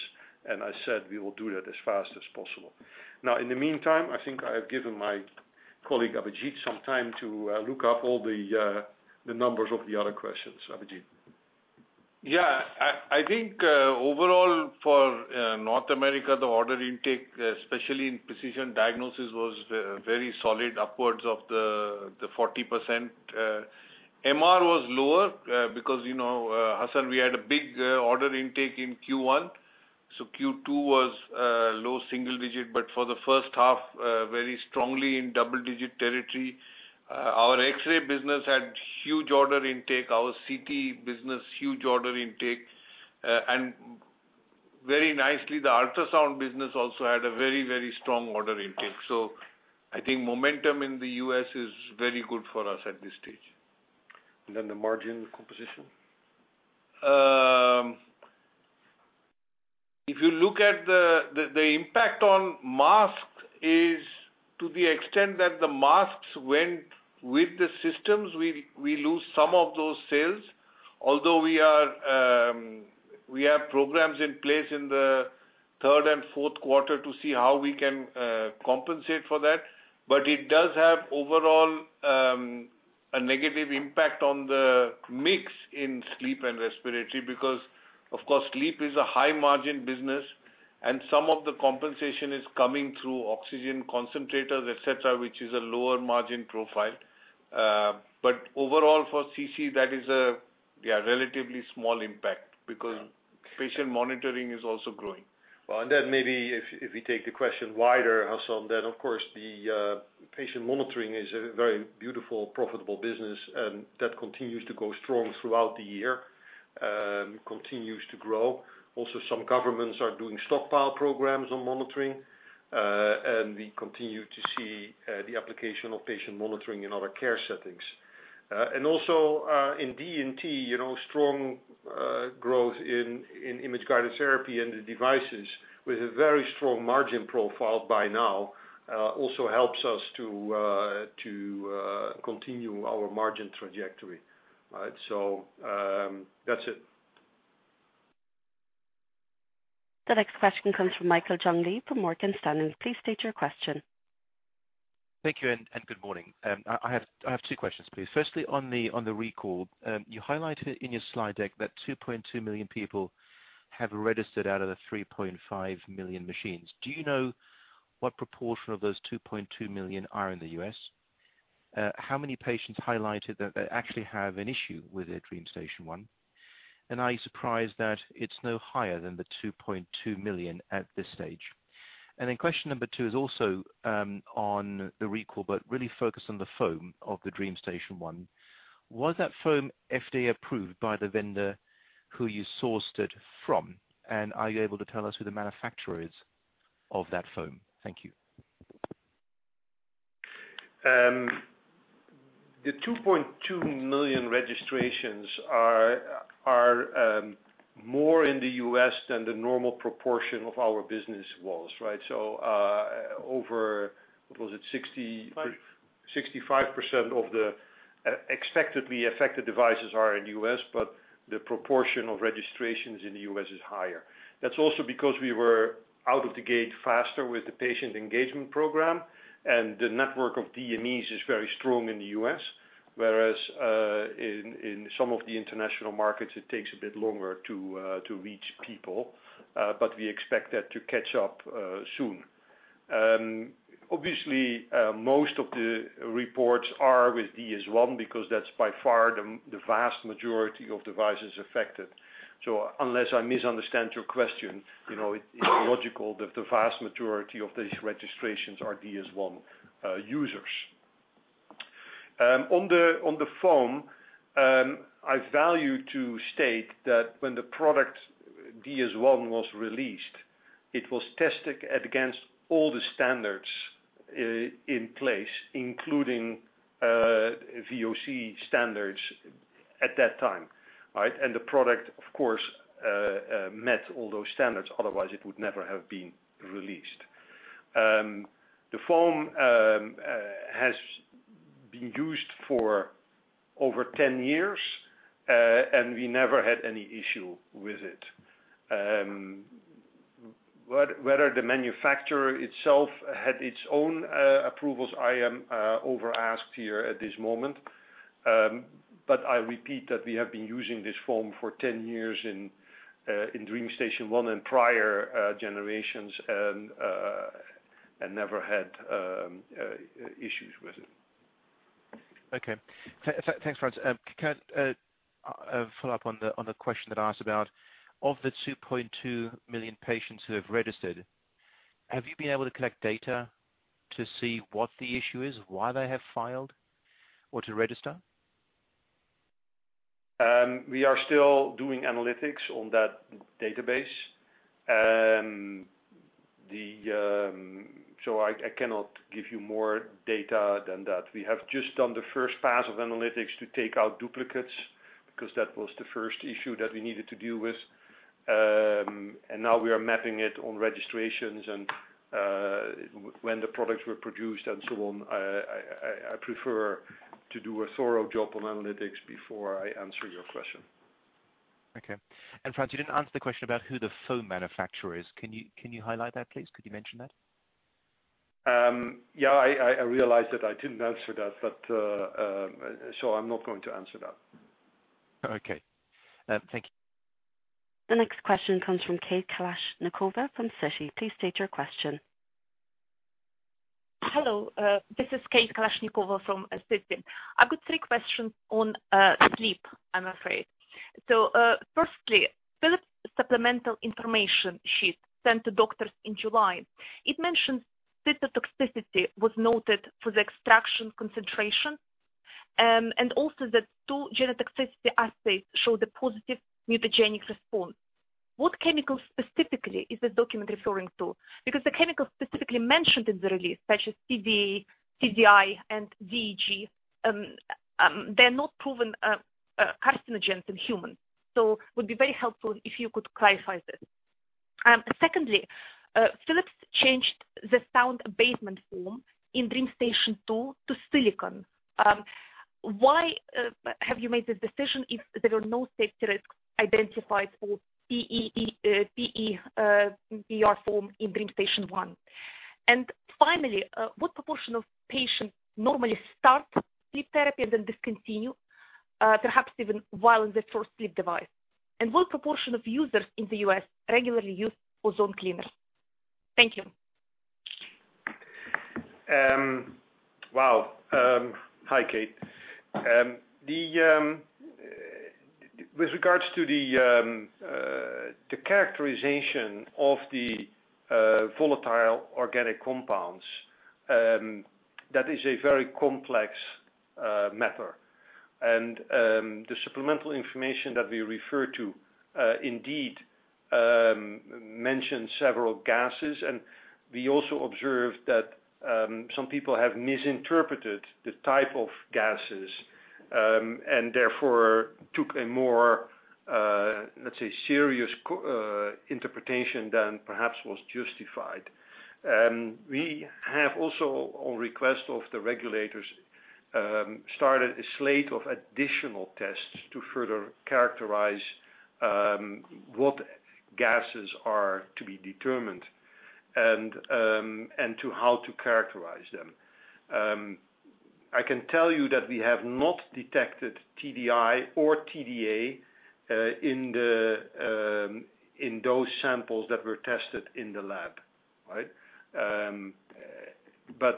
Speaker 3: I said, we will do that as fast as possible. In the meantime, I think I have given my colleague, Abhijit, some time to look up all the numbers of the other questions. Abhijit?
Speaker 4: Yeah. I think, overall for North America, the order intake, especially in Precision Diagnosis, was very solid, upwards of 40%. MR was lower, because, Hassan, we had a big order intake in Q1. Q2 was low single-digit, but for the first half, very strongly in double-digit territory. Our X-ray business had huge order intake. Our CT business, huge order intake. Very nicely, the ultrasound business also had a very, very strong order intake. I think momentum in the U.S. is very good for us at this stage.
Speaker 3: The margin composition?
Speaker 4: If you look at the impact on masks is to the extent that the masks went with the systems, we lose some of those sales. We have programs in place in the third and fourth quarter to see how we can compensate for that. It does have overall a negative impact on the mix in Sleep and respiratory because, of course, Sleep is a high-margin business, and some of the compensation is coming through oxygen concentrators, et cetera, which is a lower margin profile. Overall for CC, that is a relatively small impact because patient monitoring is also growing.
Speaker 3: Well, then maybe if we take the question wider, Hassan, then, of course, the patient monitoring is a very beautiful, profitable business, and that continues to go strong throughout the year, continues to grow. Also, some governments are doing stockpile programs on monitoring. We continue to see the application of patient monitoring in other care settings. Also, in D&T, strong growth in Image-guided therapy and the devices with a very strong margin profile by now, also helps us to continue our margin trajectory. That's it.
Speaker 1: The next question comes from Michael Jüngling from Morgan Stanley. Please state your question.
Speaker 8: Thank you, and good morning. I have two questions, please. Firstly, on the recall, you highlighted in your slide deck that 2.2 million people have registered out of the 3.5 million machines. Do you know what proportion of those 2.2 million are in the U.S.? How many patients highlighted that they actually have an issue with their DreamStation 1? Are you surprised that it's no higher than the 2.2 million at this stage? Question 2 is also on the recall, but really focused on the foam of the DreamStation 1. Was that foam FDA approved by the vendor who you sourced it from? Are you able to tell us who the manufacturer is of that foam? Thank you.
Speaker 3: The 2.2 million registrations are more in the U.S. than the normal proportion of our business was.
Speaker 4: Five
Speaker 3: 65% of the expectedly affected devices are in the U.S. The proportion of registrations in the U.S. is higher. That's also because we were out of the gate faster with the patient engagement program. The network of DMEs is very strong in the U.S. In some of the international markets, it takes a bit longer to reach people. We expect that to catch up soon. Obviously, most of the reports are with DS1 because that's by far the vast majority of devices affected. Unless I misunderstand your question, it's logical that the vast majority of these registrations are DS1 users. On the foam, I value to state that when the product DS1 was released, it was tested against all the standards in place, including VOC standards at that time. The product, of course, met all those standards, otherwise it would never have been released. The foam has been used for over 10 years, and we never had any issue with it. Whether the manufacturer itself had its own approvals, I am overasked here at this moment. I repeat that we have been using this foam for 10 years in DreamStation 1 and prior generations, and never had issues with it.
Speaker 8: Okay. Thanks, Frans. Can I follow up on the question that I asked about of the 2.2 million patients who have registered, have you been able to collect data to see what the issue is, why they have filed or to register?
Speaker 3: We are still doing analytics on that database. I cannot give you more data than that. We have just done the first pass of analytics to take out duplicates, because that was the first issue that we needed to deal with. Now we are mapping it on registrations and when the products were produced and so on. I prefer to do a thorough job on analytics before I answer your question.
Speaker 8: Okay. Frans, you didn't answer the question about who the foam manufacturer is. Can you highlight that, please? Could you mention that?
Speaker 3: Yeah, I realized that I didn't answer that. I'm not going to answer that.
Speaker 8: Okay. Thank you.
Speaker 1: The next question comes from Kate Kalashnikova from Citi. Please state your question.
Speaker 9: Hello, this is Kate Kalashnikova from Citi. I've got three questions on Sleep, I'm afraid. Firstly, Philips supplemental information sheet sent to doctors in July. It mentions cytotoxicity was noted for the extraction concentration, and also that two genotoxicity assays show the positive mutagenic response. What chemical specifically is the document referring to? The chemical specifically mentioned in the release, such as TDI, TDA, and DEG, they're not proven carcinogens in humans. It would be very helpful if you could clarify this. Secondly, Philips changed the sound abatement foam in DreamStation 2 to silicone. Why have you made the decision if there were no safety risks identified for PE-PUR foam in DreamStation? Finally, what proportion of patients normally start Sleep therapy and then discontinue, perhaps even while in the first Sleep device? What proportion of users in the U.S. regularly use ozone cleaners? Thank you.
Speaker 3: Wow. Hi, Kate. With regards to the characterization of the volatile organic compounds, that is a very complex matter. The supplemental information that we refer to indeed mentions several gases, and we also observed that some people have misinterpreted the type of gases, and therefore took a more, let's say, serious interpretation than perhaps was justified. We have also, on request of the regulators, started a slate of additional tests to further characterize what gases are to be determined, and how to characterize them. I can tell you that we have not detected TDI or TDA in those samples that were tested in the lab, right? As I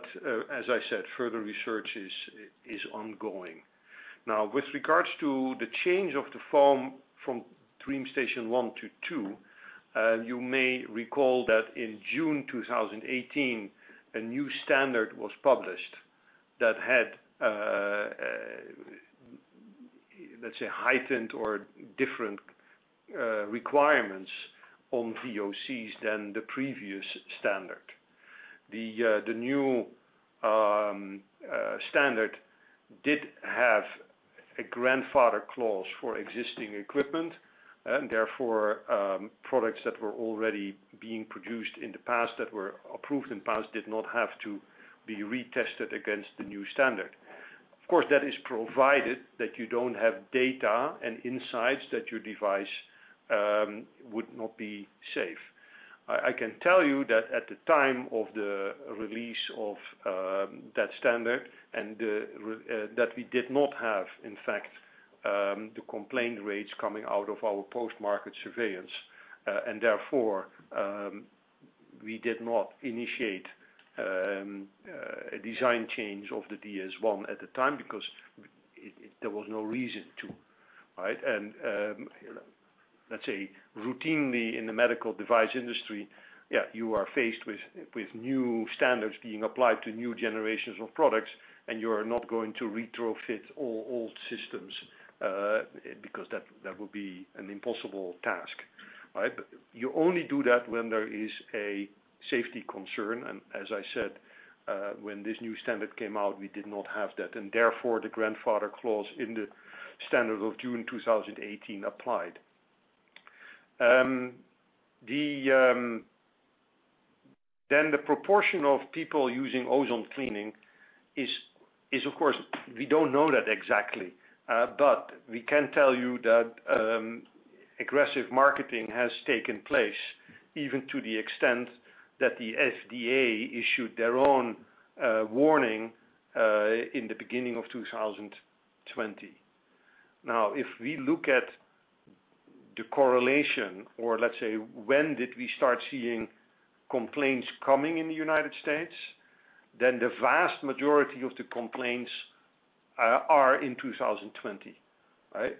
Speaker 3: said, further research is ongoing. With regards to the change of the foam from DreamStation 1 to DreamStation 2, you may recall that in June 2018, a new standard was published that had, let's say, heightened or different requirements on VOCs than the previous standard. The new standard did have a grandfather clause for existing equipment, therefore, products that were already being produced in the past, that were approved in the past, did not have to be retested against the new standard. Of course, that is provided that you don't have data and insights that your device would not be safe. I can tell you that at the time of the release of that standard, that we did not have, in fact, the complaint rates coming out of our post-market surveillance. Therefore, we did not initiate a design change of the DS1 at the time, because there was no reason to, right? Let's say, routinely in the medical device industry, you are faced with new standards being applied to new generations of products, and you are not going to retrofit all old systems, because that would be an impossible task, right? You only do that when there is a safety concern. As I said, when this new standard came out, we did not have that, and therefore, the grandfather clause in the standard of June 2018 applied. The proportion of people using ozone cleaning is, of course, we don't know that exactly. We can tell you that aggressive marketing has taken place, even to the extent that the FDA issued their own warning in the beginning of 2020. If we look at the correlation, or let's say, when did we start seeing complaints coming in the U.S., then the vast majority of the complaints are in 2020. Right?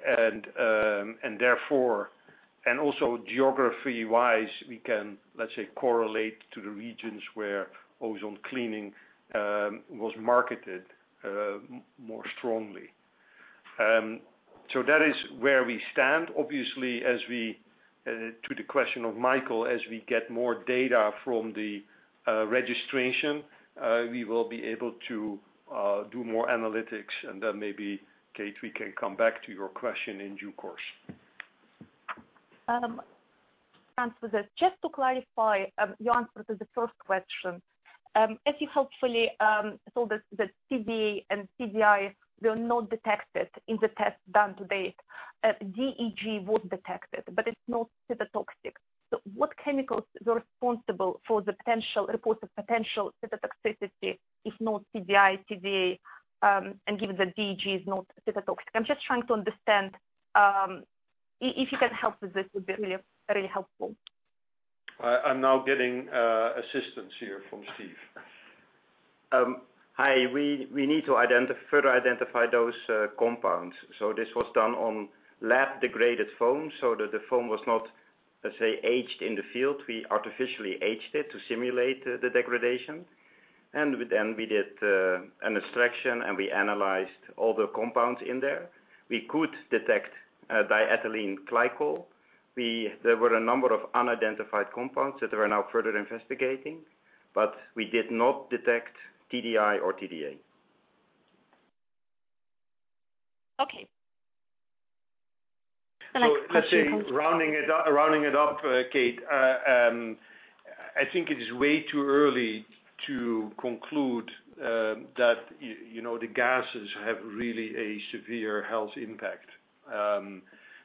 Speaker 3: Also geography-wise, we can, let's say, correlate to the regions where ozone cleaning was marketed more strongly. That is where we stand. Obviously, to the question of Michael, as we get more data from the registration, we will be able to do more analytics, and then maybe, Kate, we can come back to your question in due course.
Speaker 9: Answer that. Just to clarify your answer to the first question. If you hopefully saw that TDA and TDI were not detected in the test done to date, DEG was detected, but it is not cytotoxic. What chemicals were responsible for the reports of potential cytotoxicity, if not TDI, TDA, and given that DEG is not cytotoxic? I am just trying to understand. If you can help with this, it would be really helpful.
Speaker 3: I'm now getting assistance here from Steve.
Speaker 10: Hi. We need to further identify those compounds. This was done on lab-degraded foam, so that the foam was not, let's say, aged in the field. We artificially aged it to simulate the degradation. Then we did an extraction, and we analyzed all the compounds in there. We could detect diethylene glycol. There were a number of unidentified compounds that we are now further investigating, but we did not detect TDI or TDA.
Speaker 9: Okay. The next question.
Speaker 3: Let's say, rounding it up, Kate, I think it is way too early to conclude that the gases have really a severe health impact.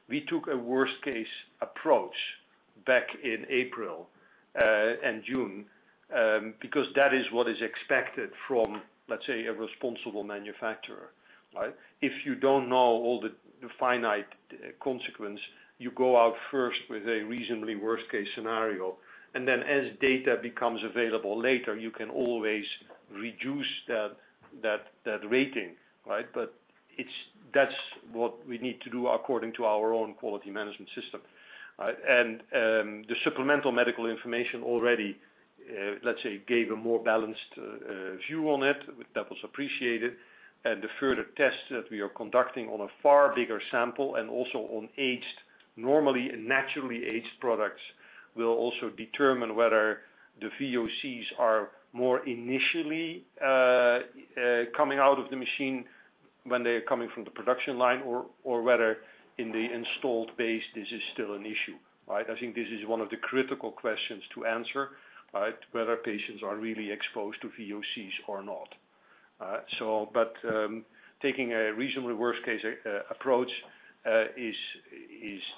Speaker 3: We took a worst case approach back in April and June, because that is what is expected from, let's say, a responsible manufacturer, right? If you don't know all the finite consequence, you go out first with a reasonably worst-case scenario, and then as data becomes available later, you can always reduce that rating, right? That's what we need to do according to our own quality management system. The supplemental medical information already, let's say, gave a more balanced view on it, that was appreciated. The further tests that we are conducting on a far bigger sample and also on aged, normally and naturally aged products, will also determine whether the VOCs are more initially coming out of the machine when they're coming from the production line or whether in the installed base, this is still an issue? I think this is one of the critical questions to answer? Whether patients are really exposed to VOCs or not. Taking a reasonably worst case approach, is,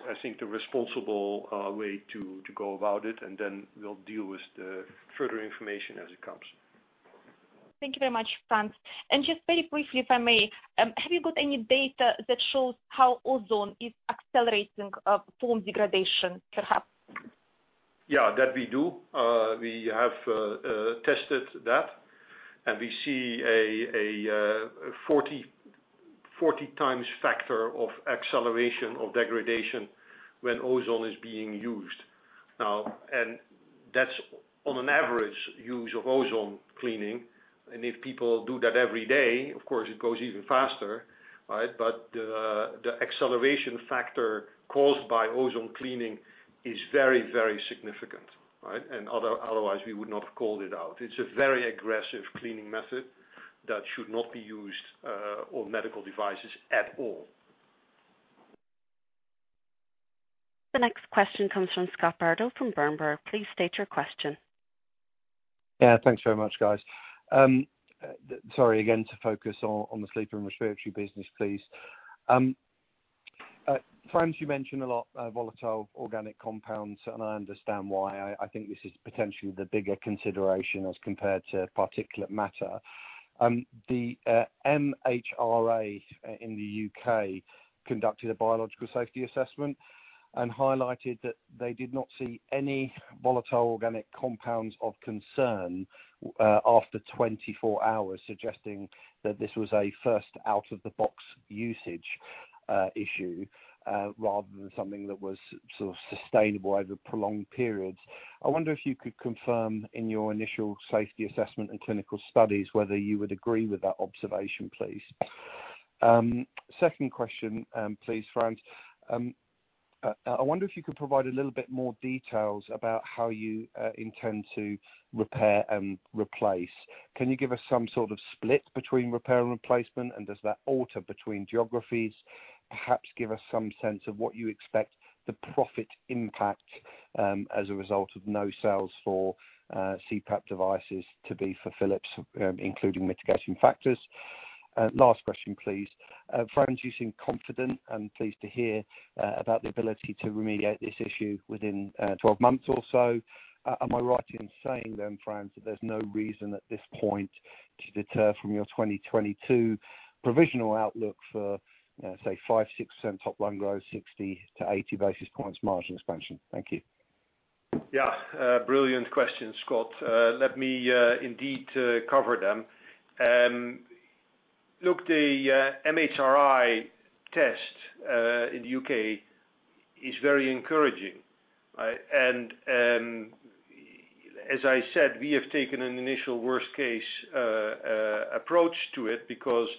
Speaker 3: I think, the responsible way to go about it, and then we'll deal with the further information as it comes.
Speaker 9: Thank you very much, Frans. Just very briefly, if I may, have you got any data that shows how ozone is accelerating foam degradation, perhaps?
Speaker 3: Yeah, that we do. We have tested that, and we see a 40x factor of acceleration of degradation when ozone is being used. That's on an average use of ozone cleaning. If people do that every day, of course, it goes even faster, right? The acceleration factor caused by ozone cleaning is very significant, right? Otherwise, we would not have called it out. It's a very aggressive cleaning method that should not be used on medical devices at all.
Speaker 1: The next question comes from Scott Bardo from Berenberg. Please state your question.
Speaker 11: Yeah. Thanks very much, guys. Sorry again to focus on the Sleep and Respiratory business, please. Frans, you mentioned a lot volatile organic compounds, and I understand why. I think this is potentially the bigger consideration as compared to particulate matter. The MHRA in the U.K. conducted a biological safety assessment and highlighted that they did not see any volatile organic compounds of concern after 24 hours, suggesting that this was a first out-of-the-box usage issue, rather than something that was sort of sustainable over prolonged periods. I wonder if you could confirm in your initial safety assessment and clinical studies whether you would agree with that observation, please. Second question, please, Frans. I wonder if you could provide a little bit more details about how you intend to repair and replace. Can you give us some sort of split between repair and replacement, and does that alter between geographies? Perhaps give us some sense of what you expect the profit impact as a result of no sales for CPAP devices to be for Philips, including mitigation factors. Last question, please. Frans, you seem confident and pleased to hear about the ability to remediate this issue within 12 months or so. Am I right in saying then, Frans, that there's no reason at this point to deter from your 2022 provisional outlook for, say, 5%, 6% top line growth, 60 basis points to 80 basis points margin expansion? Thank you.
Speaker 3: Yeah. Brilliant questions, Scott. Let me indeed cover them. Look, the MHRA test in the U.K. is very encouraging, right? As I said, we have taken an initial worst-case approach to it because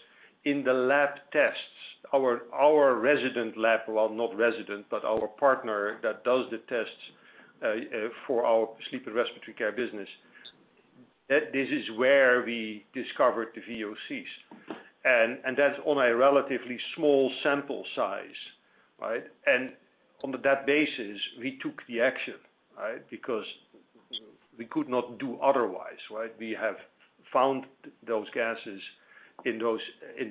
Speaker 3: in the lab tests, our resident lab, well, not resident, but our partner that does the tests for our Sleep and respiratory care business, this is where we discovered the VOCs. That's on a relatively small sample size, right? On that basis, we took the action, right? Because we could not do otherwise, right? We have found those gases in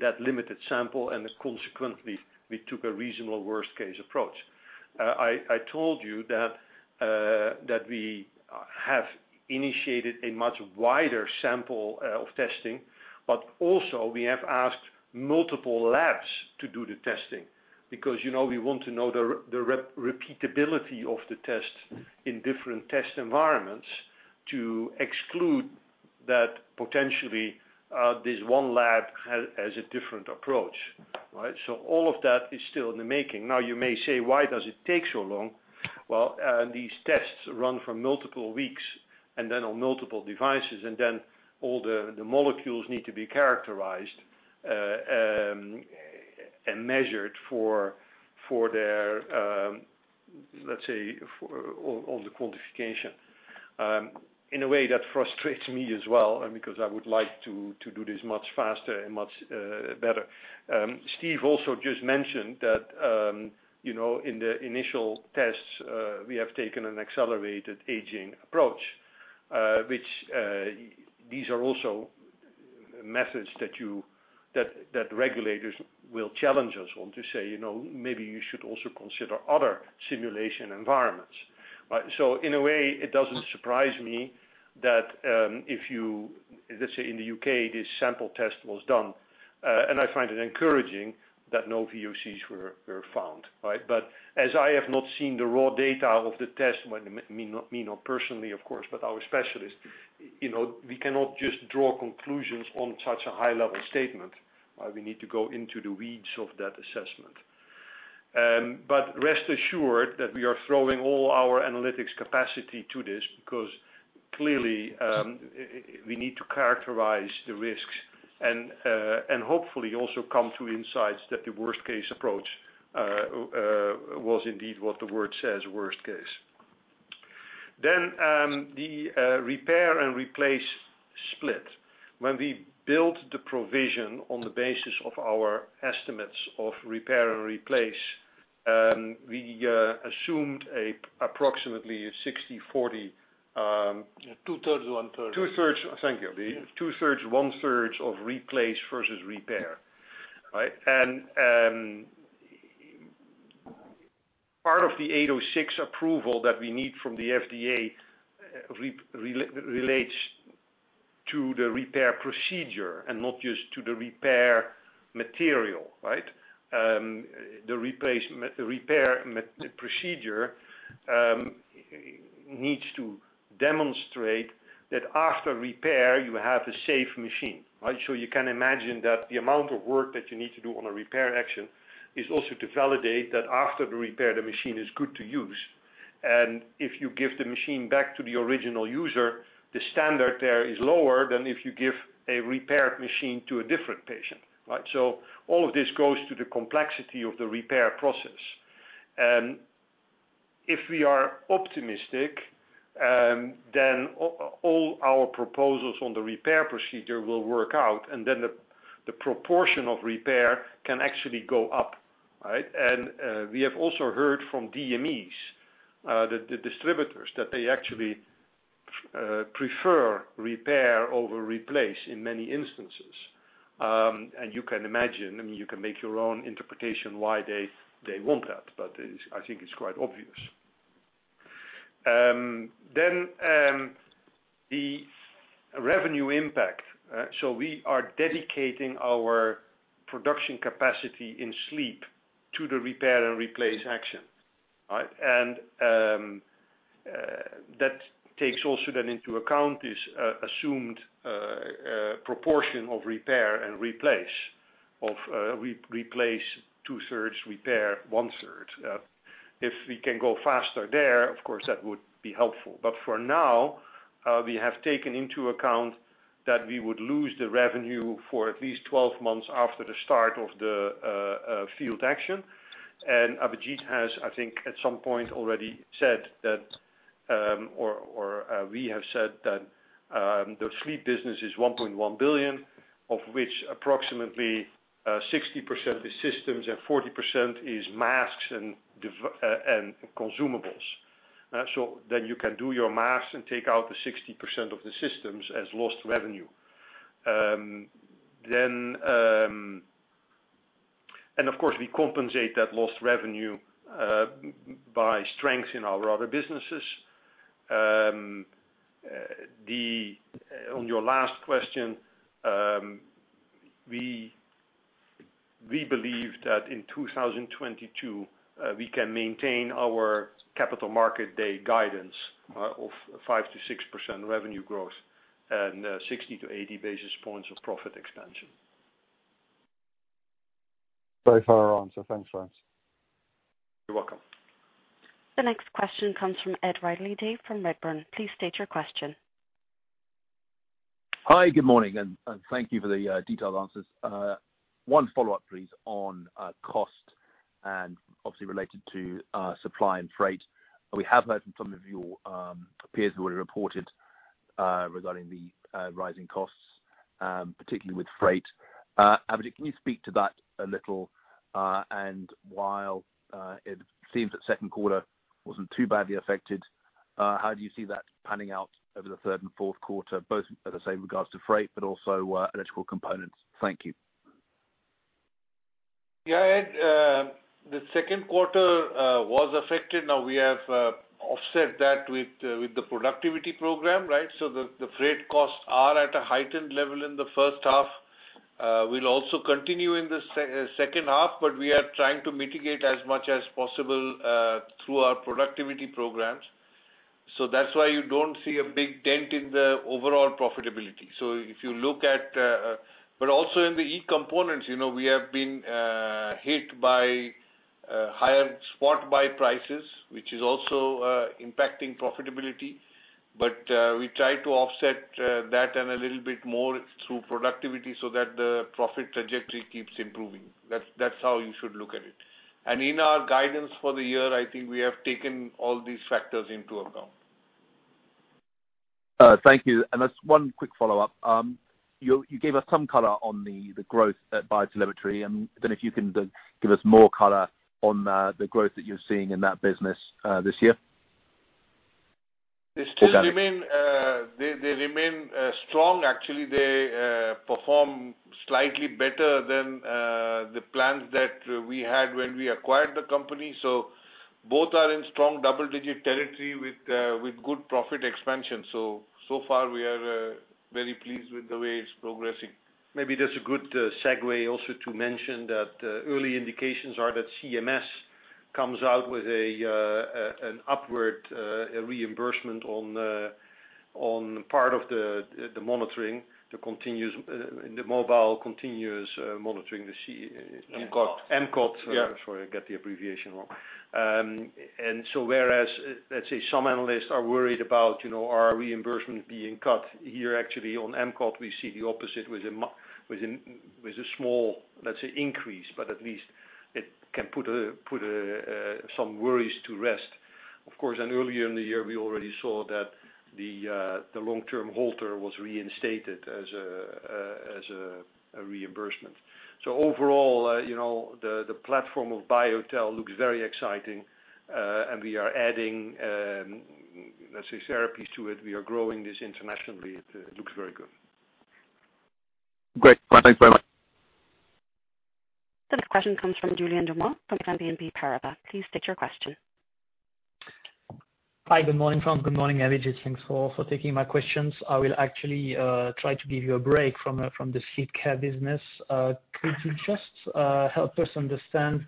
Speaker 3: that limited sample, and consequently, we took a reasonable worst-case approach. I told you that we have initiated a much wider sample of testing, also we have asked multiple labs to do the testing because we want to know the repeatability of the test in different test environments to exclude that potentially, this one lab has a different approach, right? All of that is still in the making. You may say, why does it take so long? Well, these tests run for multiple weeks then on multiple devices, then all the molecules need to be characterized and measured for their, let's say, all the quantification. In a way, that frustrates me as well, because I would like to do this much faster and much better. Steve also just mentioned that in the initial tests, we have taken an accelerated aging approach, which these are also methods that regulators will challenge us on to say, "Maybe you should also consider other simulation environments." In a way, it doesn't surprise me that, let's say in the U.K., this sample test was done, and I find it encouraging that no VOCs were found. As I have not seen the raw data of the test, me not personally, of course, but our specialist, we cannot just draw conclusions on such a high-level statement. We need to go into the weeds of that assessment. Rest assured that we are throwing all our analytics capacity to this, because clearly, we need to characterize the risks, and hopefully, also come to insights that the worst-case approach was indeed what the word says, worst case. The repair and replace split. When we built the provision on the basis of our estimates of repair and replace, we assumed approximately 60/40.
Speaker 4: Two-thirds, 1/3
Speaker 3: Two-thirds. Thank you. The 2/3, 1/ 3of replace versus repair. Part of the 806 approval that we need from the FDA relates to the repair procedure and not just to the repair material. The repair procedure needs to demonstrate that after repair, you have a safe machine. You can imagine that the amount of work that you need to do on a repair action is also to validate that after the repair, the machine is good to use. If you give the machine back to the original user, the standard there is lower than if you give a repaired machine to a different patient. All of this goes to the complexity of the repair process. If we are optimistic, then all our proposals on the repair procedure will work out, and then the proportion of repair can actually go up. We have also heard from DMEs, the distributors, that they actually prefer repair over replace in many instances. You can imagine, you can make your own interpretation why they want that, but I think it's quite obvious. The revenue impact. We are dedicating our production capacity in Sleep to the repair and replace action. That takes also then into account this assumed proportion of repair and replace, of replace 2/3, repair 1/3. If we can go faster there, of course, that would be helpful. For now, we have taken into account that we would lose the revenue for at least 12 months after the start of the field action. Abhijit has, I think, at some point already said that, or we have said that the Sleep business is $1.1 billion, of which approximately 60% is systems and 40% is masks and consumables. You can do your masks and take out the 60% of the systems as lost revenue. Of course, we compensate that lost revenue by strengths in our other businesses. On your last question, we believe that in 2022, we can maintain our capital market day guidance of 5%-6% revenue growth and 60 basis points-80 basis points of profit expansion.
Speaker 11: Very thorough answer. Thanks, Frans.
Speaker 3: You're welcome.
Speaker 1: The next question comes from Ed Ridley-Day from Redburn. Please state your question.
Speaker 12: Hi. Good morning. Thank you for the detailed answers. One follow-up, please, on cost and obviously related to supply and freight. We have heard from some of your peers who already reported regarding the rising costs, particularly with freight. Abhijit, can you speak to that a little? While it seems that second quarter wasn't too badly affected, how do you see that panning out over the third and fourth quarter, both as I say with regards to freight, but also electrical components? Thank you.
Speaker 4: Yeah, Ed. The second quarter was affected. We have offset that with the productivity program. The freight costs are at a heightened level in the first half. Will also continue in the second half, but we are trying to mitigate as much as possible, through our productivity programs. That's why you don't see a big dent in the overall profitability. Also, in the e-components, we have been hit by higher spot buy prices, which is also impacting profitability. We try to offset that and a little bit more through productivity so that the profit trajectory keeps improving. That's how you should look at it. In our guidance for the year, I think we have taken all these factors into account.
Speaker 12: Thank you. Just 1 quick follow-up. You gave us some color on the growth at BioTelemetry, I don't know if you can give us more color on the growth that you're seeing in that business this year.
Speaker 4: They still remain strong. Actually, they perform slightly better than the plans that we had when we acquired the company. Both are in strong double-digit territory with good profit expansion. So far, we are very pleased with the way it's progressing.
Speaker 3: Maybe that's a good segue also to mention that early indications are that CMS comes out with an upward reimbursement on part of the monitoring, the mobile continuous monitoring.
Speaker 4: MCOT.
Speaker 3: MCOT.
Speaker 4: Yeah.
Speaker 3: Sorry, I got the abbreviation wrong. Whereas, let's say some analysts are worried about our reimbursement being cut, here actually on MCOT, we see the opposite with a small, let's say, increase. At least it can put some worries to rest. Of course, earlier in the year, we already saw that the long-term Holter was reinstated as a reimbursement. Overall, the platform of BioTelemetry looks very exciting, and we are adding, let's say, therapies to it. We are growing this internationally. It looks very good.
Speaker 12: Great. Thanks very much.
Speaker 1: The next question comes from Julien Dormois of BNP Paribas. Please state your question.
Speaker 13: Hi. Good morning, Frans. Good morning, Abhijit. Thanks for taking my questions. I will actually try to give you a break from this health care business. Could you just help us understand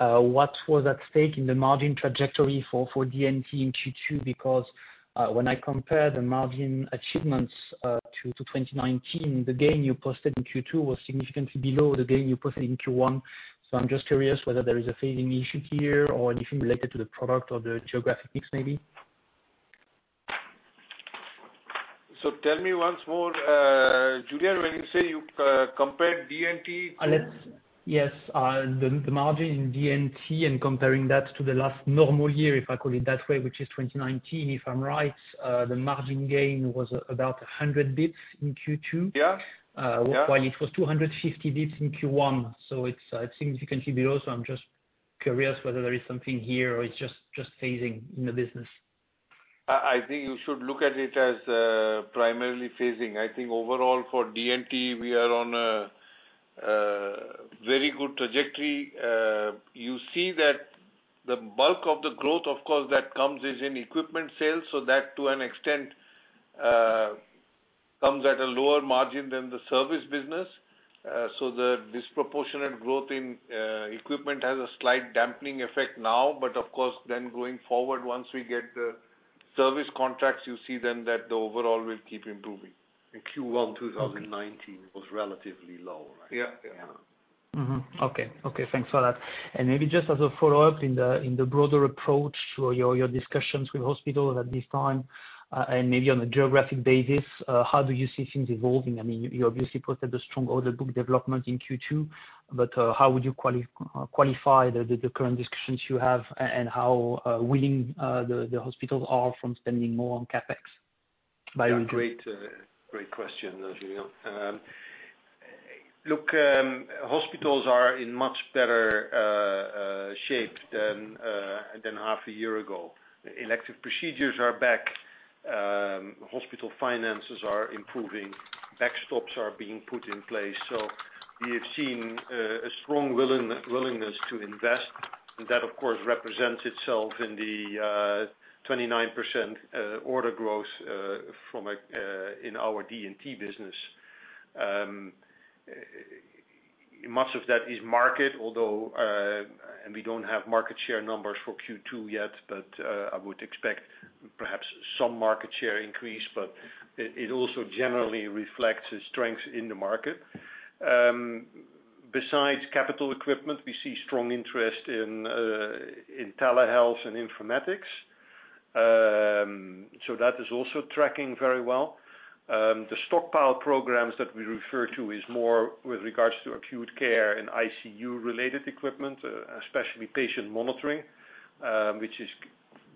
Speaker 13: what was at stake in the margin trajectory for D&T in Q2? When I compare the margin achievements to 2019, the gain you posted in Q2 was significantly below the gain you posted in Q1. I'm just curious whether there is a phasing issue here or anything related to the product or the geographic mix, maybe.
Speaker 4: Tell me once more, Julien, when you say you compared D&T to?
Speaker 13: Yes, the margin in D&T and comparing that to the last normal year, if I call it that way, which is 2019, if I'm right, the margin gain was about 100 basis points in Q2.
Speaker 4: Yeah.
Speaker 13: While it was 250 basis points in Q1, it's significantly below. I'm just curious whether there is something here or it's just phasing in the business.
Speaker 4: I think you should look at it as primarily phasing. I think overall for D&T, we are on a very good trajectory. You see that the bulk of the growth, of course, that comes is in equipment sales, so that to an extent comes at a lower margin than the service business. The disproportionate growth in equipment has a slight dampening effect now. Of course, then going forward, once we get the service contracts, you see then that the overall will keep improving.
Speaker 3: In Q1 2019, it was relatively low, right?
Speaker 4: Yeah.
Speaker 3: Yeah.
Speaker 13: Mm-hmm. Okay. Thanks for that. Maybe just as a follow-up, in the broader approach to your discussions with hospitals at this time, and maybe on a geographic basis, how do you see things evolving? You obviously posted a strong order book development in Q2, but how would you qualify the current discussions you have and how willing the hospitals are from spending more on CapEx by region?
Speaker 3: Great question, Julien. Look, hospitals are in much better shape than half a year ago. Elective procedures are back. Hospital finances are improving. Backstops are being put in place. We have seen a strong willingness to invest, and that, of course, represents itself in the 29% order growth in our D&T business. Much of that is market, although, and we don't have market share numbers for Q2 yet, but I would expect perhaps some market share increase, but it also generally reflects a strength in the market. Besides capital equipment, we see strong interest in telehealth and informatics. That is also tracking very well. The stockpile programs that we refer to is more with regards to acute care and ICU-related equipment, especially patient monitoring, which is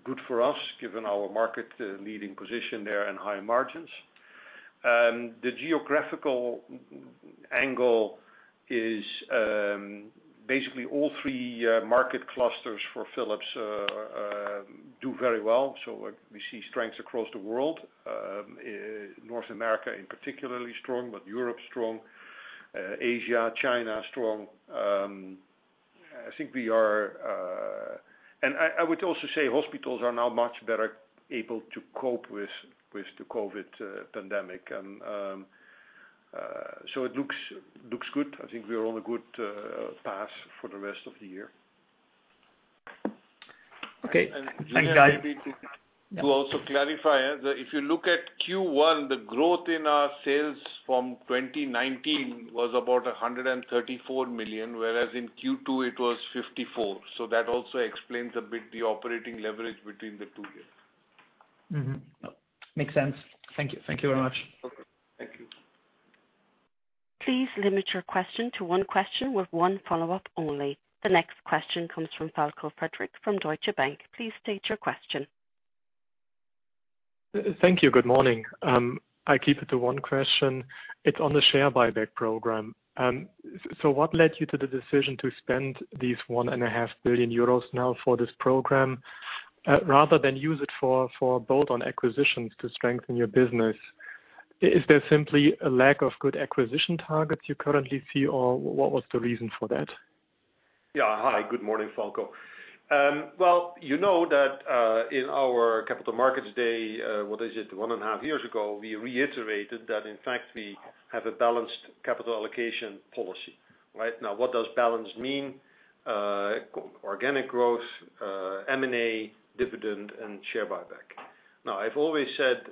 Speaker 3: good for us given our market leading position there and higher margins. The geographical angle is basically all three market clusters for Philips do very well. We see strengths across the world. North America in particularly strong, but Europe strong. Asia, China, strong. I would also say hospitals are now much better able to cope with the COVID pandemic. It looks good. I think we are on a good path for the rest of the year.
Speaker 13: Okay. Thank you, guys.
Speaker 4: Maybe to also clarify, if you look at Q1, the growth in our sales from 2019 was about 134 million, whereas in Q2 it was 54 million. That also explains a bit the operating leverage between the two years.
Speaker 13: Mm-hmm. Makes sense. Thank you. Thank you very much.
Speaker 4: Okay. Thank you.
Speaker 1: Please limit your question to one question with one follow-up only. The next question comes from Falko Friedrichs from Deutsche Bank. Please state your question.
Speaker 14: Thank you. Good morning. I keep it to one question. It's on the share buyback program. What led you to the decision to spend these 1.5 billion euros now for this program rather than use it for bolt-on acquisitions to strengthen your business? Is there simply a lack of good acquisition targets you currently see, or what was the reason for that?
Speaker 3: Hi, good morning, Falko. Well, you know that in our capital markets day, what is it, one and a half years ago, we reiterated that in fact, we have a balanced capital allocation policy, right? What does balanced mean? Organic growth, M&A, dividend, and share buyback. I've always said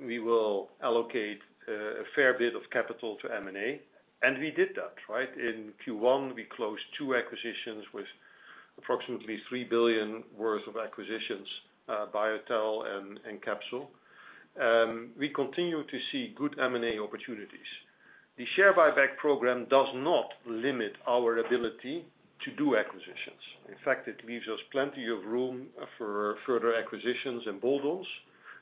Speaker 3: we will allocate a fair bit of capital to M&A, and we did that, right? In Q1, we closed two acquisitions with approximately 3 billion worth of acquisitions, BioTel and Capsule. We continue to see good M&A opportunities. The share buyback program does not limit our ability to do acquisitions. In fact, it leaves us plenty of room for further acquisitions and bolt-ons,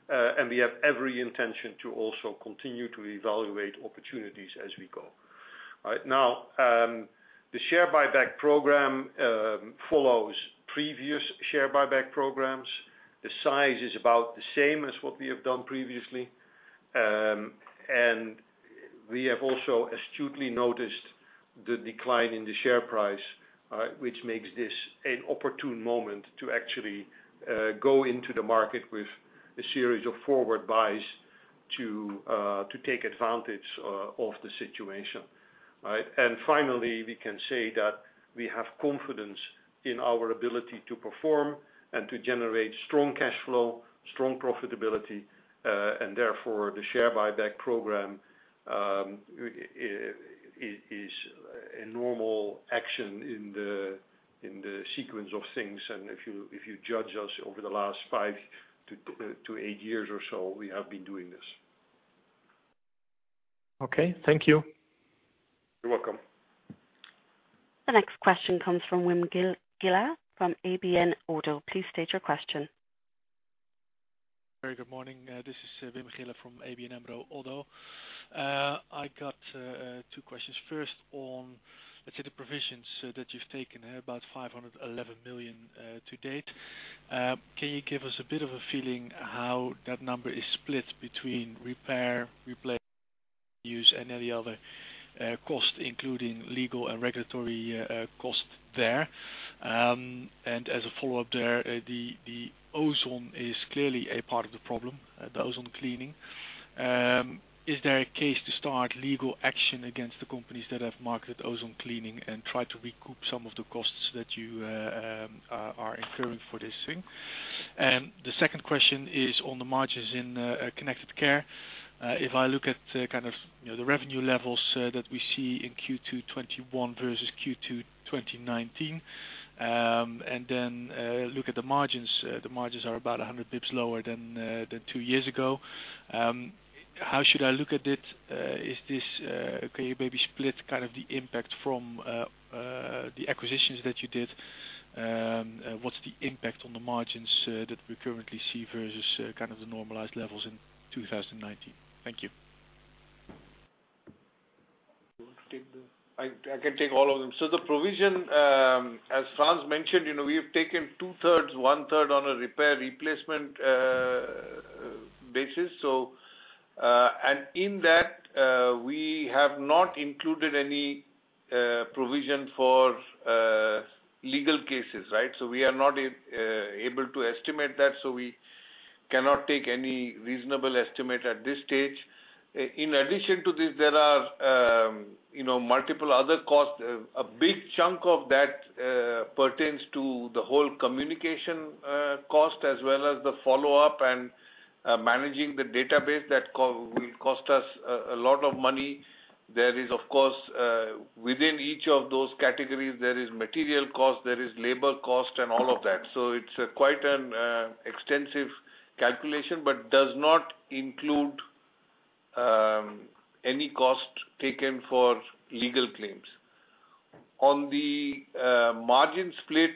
Speaker 3: and we have every intention to also continue to evaluate opportunities as we go. Right now, the share buyback program follows previous share buyback programs. The size is about the same as what we have done previously. We have also astutely noticed the decline in the share price, which makes this an opportune moment to actually go into the market with a series of forward buys to take advantage of the situation. Right. Finally, we can say that we have confidence in our ability to perform and to generate strong cash flow, strong profitability, and therefore, the share buyback program is a normal action in the sequence of things. If you judge us over the last 5-8 years or so, we have been doing this.
Speaker 14: Okay. Thank you.
Speaker 3: You're welcome.
Speaker 1: The next question comes from Wim Gille from ABN AMRO. Please state your question.
Speaker 15: Very good morning. This is Wim Gille from ABN AMRO. I got two questions. First on, let's say, the provisions that you've taken, about 511 million to date. Can you give us a bit of a feeling how that number is split between repair, replace, use, and any other cost, including legal and regulatory cost there? As a follow-up there, the ozone is clearly a part of the problem, the ozone cleaning. Is there a case to start legal action against the companies that have marketed ozone cleaning and try to recoup some of the costs that you are incurring for this thing? The second question is on the margins in Connected Care. If I look at kind of the revenue levels that we see in Q2 2021 versus Q2 2019, and then look at the margins, the margins are about 100 basis points lower than two years ago. How should I look at it? Can you maybe split kind of the impact from the acquisitions that you did? What's the impact on the margins that we currently see versus kind of the normalized levels in 2019? Thank you.
Speaker 4: I can take all of them. The provision, as Frans mentioned, we have taken two-thirds, one-third on a repair replacement basis. In that, we have not included any provision for legal cases, right? We are not able to estimate that, so we cannot take any reasonable estimate at this stage. In addition to this, there are multiple other costs. A big chunk of that pertains to the whole communication cost as well as the follow-up and managing the database that will cost us a lot of money. There is, of course within each of those categories, there is material cost, there is labor cost and all of that. It's quite an extensive calculation, but does not include any cost taken for legal claims. On the margin split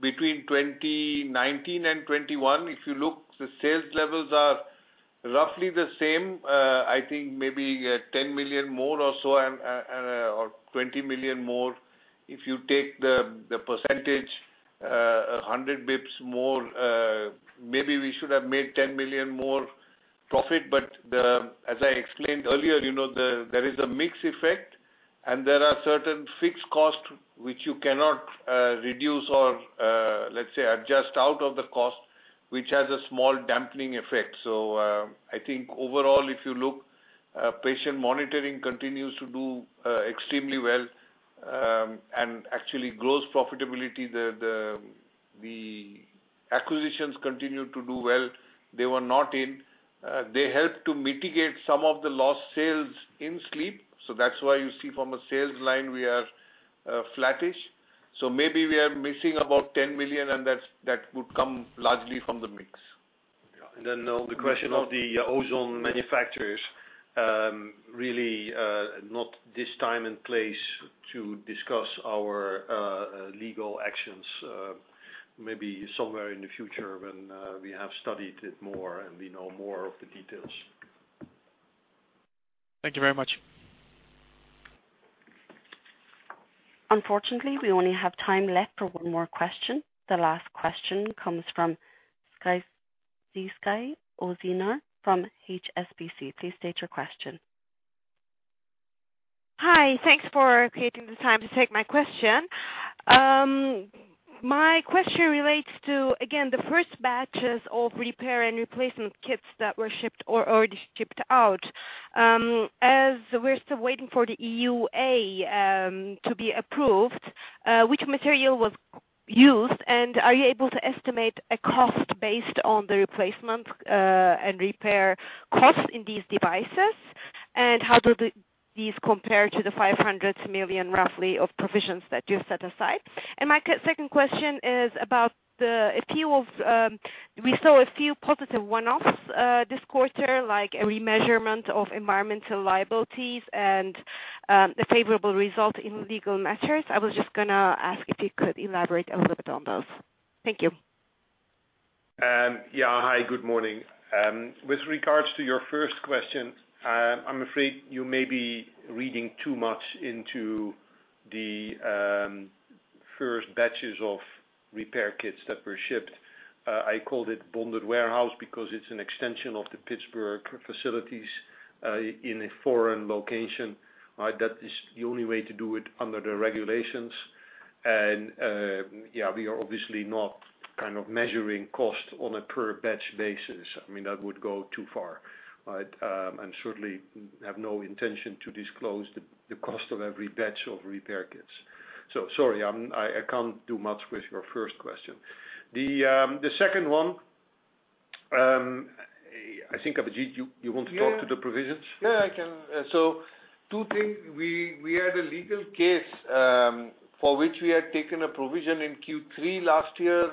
Speaker 4: between 2019 and 2021, if you look, the sales levels are roughly the same. I think maybe 10 million more or so, or 20 million more. If you take the percentage, 100 basis points more, maybe we should have made 10 million more profit. As I explained earlier, there is a mix effect, there are certain fixed costs which you cannot reduce or, let's say, adjust out of the cost, which has a small dampening effect. I think overall, if you look, patient monitoring continues to do extremely well, actually grows profitability. The acquisitions continue to do well. They were not in. They helped to mitigate some of the lost sales in Sleep. That's why you see from a sales line, we are flattish. Maybe we are missing about 10 million, that would come largely from the mix.
Speaker 3: Yeah. The question of the ozone manufacturers, really not this time and place to discuss our legal actions. Maybe somewhere in the future when we have studied it more and we know more of the details.
Speaker 15: Thank you very much.
Speaker 1: Unfortunately, we only have time left for one more question. The last question comes from Sezgi Ozener from HSBC. Please state your question.
Speaker 16: Hi. Thanks for creating the time to take my question. My question relates to, again, the first batches of repair and replacement kits that were shipped or already shipped out. As we're still waiting for the EUA to be approved, which material was used? Are you able to estimate a cost based on the replacement and repair costs in these devices? How do these compare to the 500 million, roughly, of provisions that you've set aside? My second question is about, we saw a few positive one-offs this quarter, like a remeasurement of environmental liabilities and a favorable result in legal matters. I was just going to ask if you could elaborate a little bit on those. Thank you.
Speaker 3: Yeah. Hi, good morning. With regards to your first question, I'm afraid you may be reading too much into the first batches of repair kits that were shipped. I called it bonded warehouse because it's an extension of the Pittsburgh facilities, in a foreign location. That is the only way to do it under the regulations. Yeah, we are obviously not kind of measuring cost on a per batch basis. That would go too far. Certainly have no intention to disclose the cost of every batch of repair kits. Sorry, I can't do much with your first question. The second one, I think, Abhijit, you want to talk to the provisions?
Speaker 4: Yeah, I can. Two things. We had a legal case, for which we had taken a provision in Q3 last year.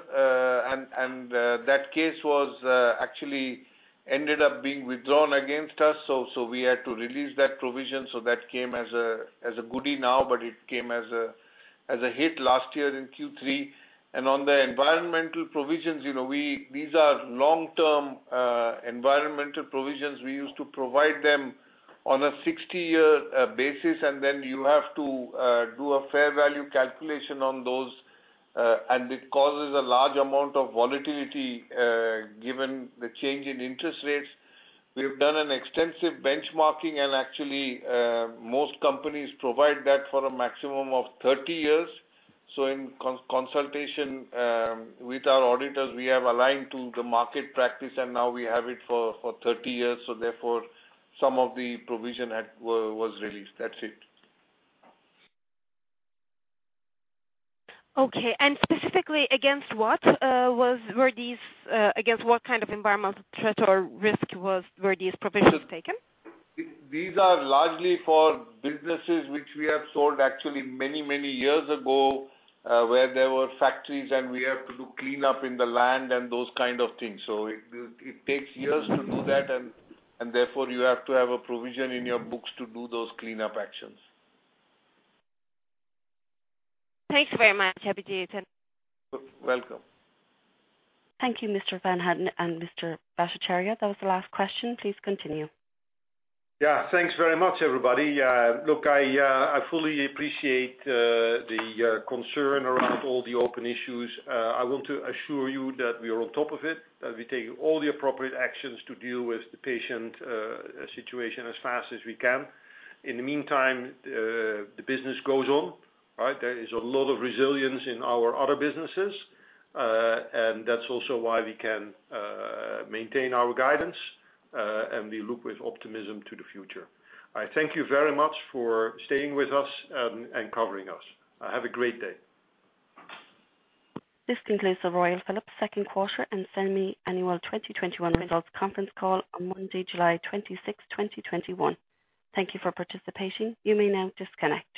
Speaker 4: That case actually ended up being withdrawn against us, so we had to release that provision. That came as a goodie now, but it came as a hit last year in Q3. On the environmental provisions, these are long-term environmental provisions. We used to provide them on a 60-year basis, and then you have to do a fair value calculation on those, and it causes a large amount of volatility, given the change in interest rates. We have done an extensive benchmarking and actually, most companies provide that for a maximum of 30 years. In consultation with our auditors, we have aligned to the market practice, and now we have it for 30 years. Therefore, some of the provision was released. That's it.
Speaker 16: Okay. Specifically against what kind of environmental threat or risk were these provisions taken?
Speaker 4: These are largely for businesses which we have sold actually many years ago, where there were factories, and we have to do cleanup in the land and those kind of things. It takes years to do that and therefore you have to have a provision in your books to do those cleanup actions.
Speaker 16: Thanks very much, Abhijit.
Speaker 4: You're welcome.
Speaker 1: Thank you, Mr. van Houten and Mr. Bhattacharya. That was the last question. Please continue.
Speaker 3: Yeah. Thanks very much, everybody. Look, I fully appreciate the concern around all the open issues. I want to assure you that we are on top of it, that we take all the appropriate actions to deal with the patient situation as fast as we can. In the meantime, the business goes on. There is a lot of resilience in our other businesses. That's also why we can maintain our guidance, and we look with optimism to the future. Thank you very much for staying with us, and covering us. Have a great day.
Speaker 1: This concludes the Royal Philips second quarter and semi-annual 2021 results conference call on Monday, July 26th, 2021. Thank you for participating. You may now disconnect.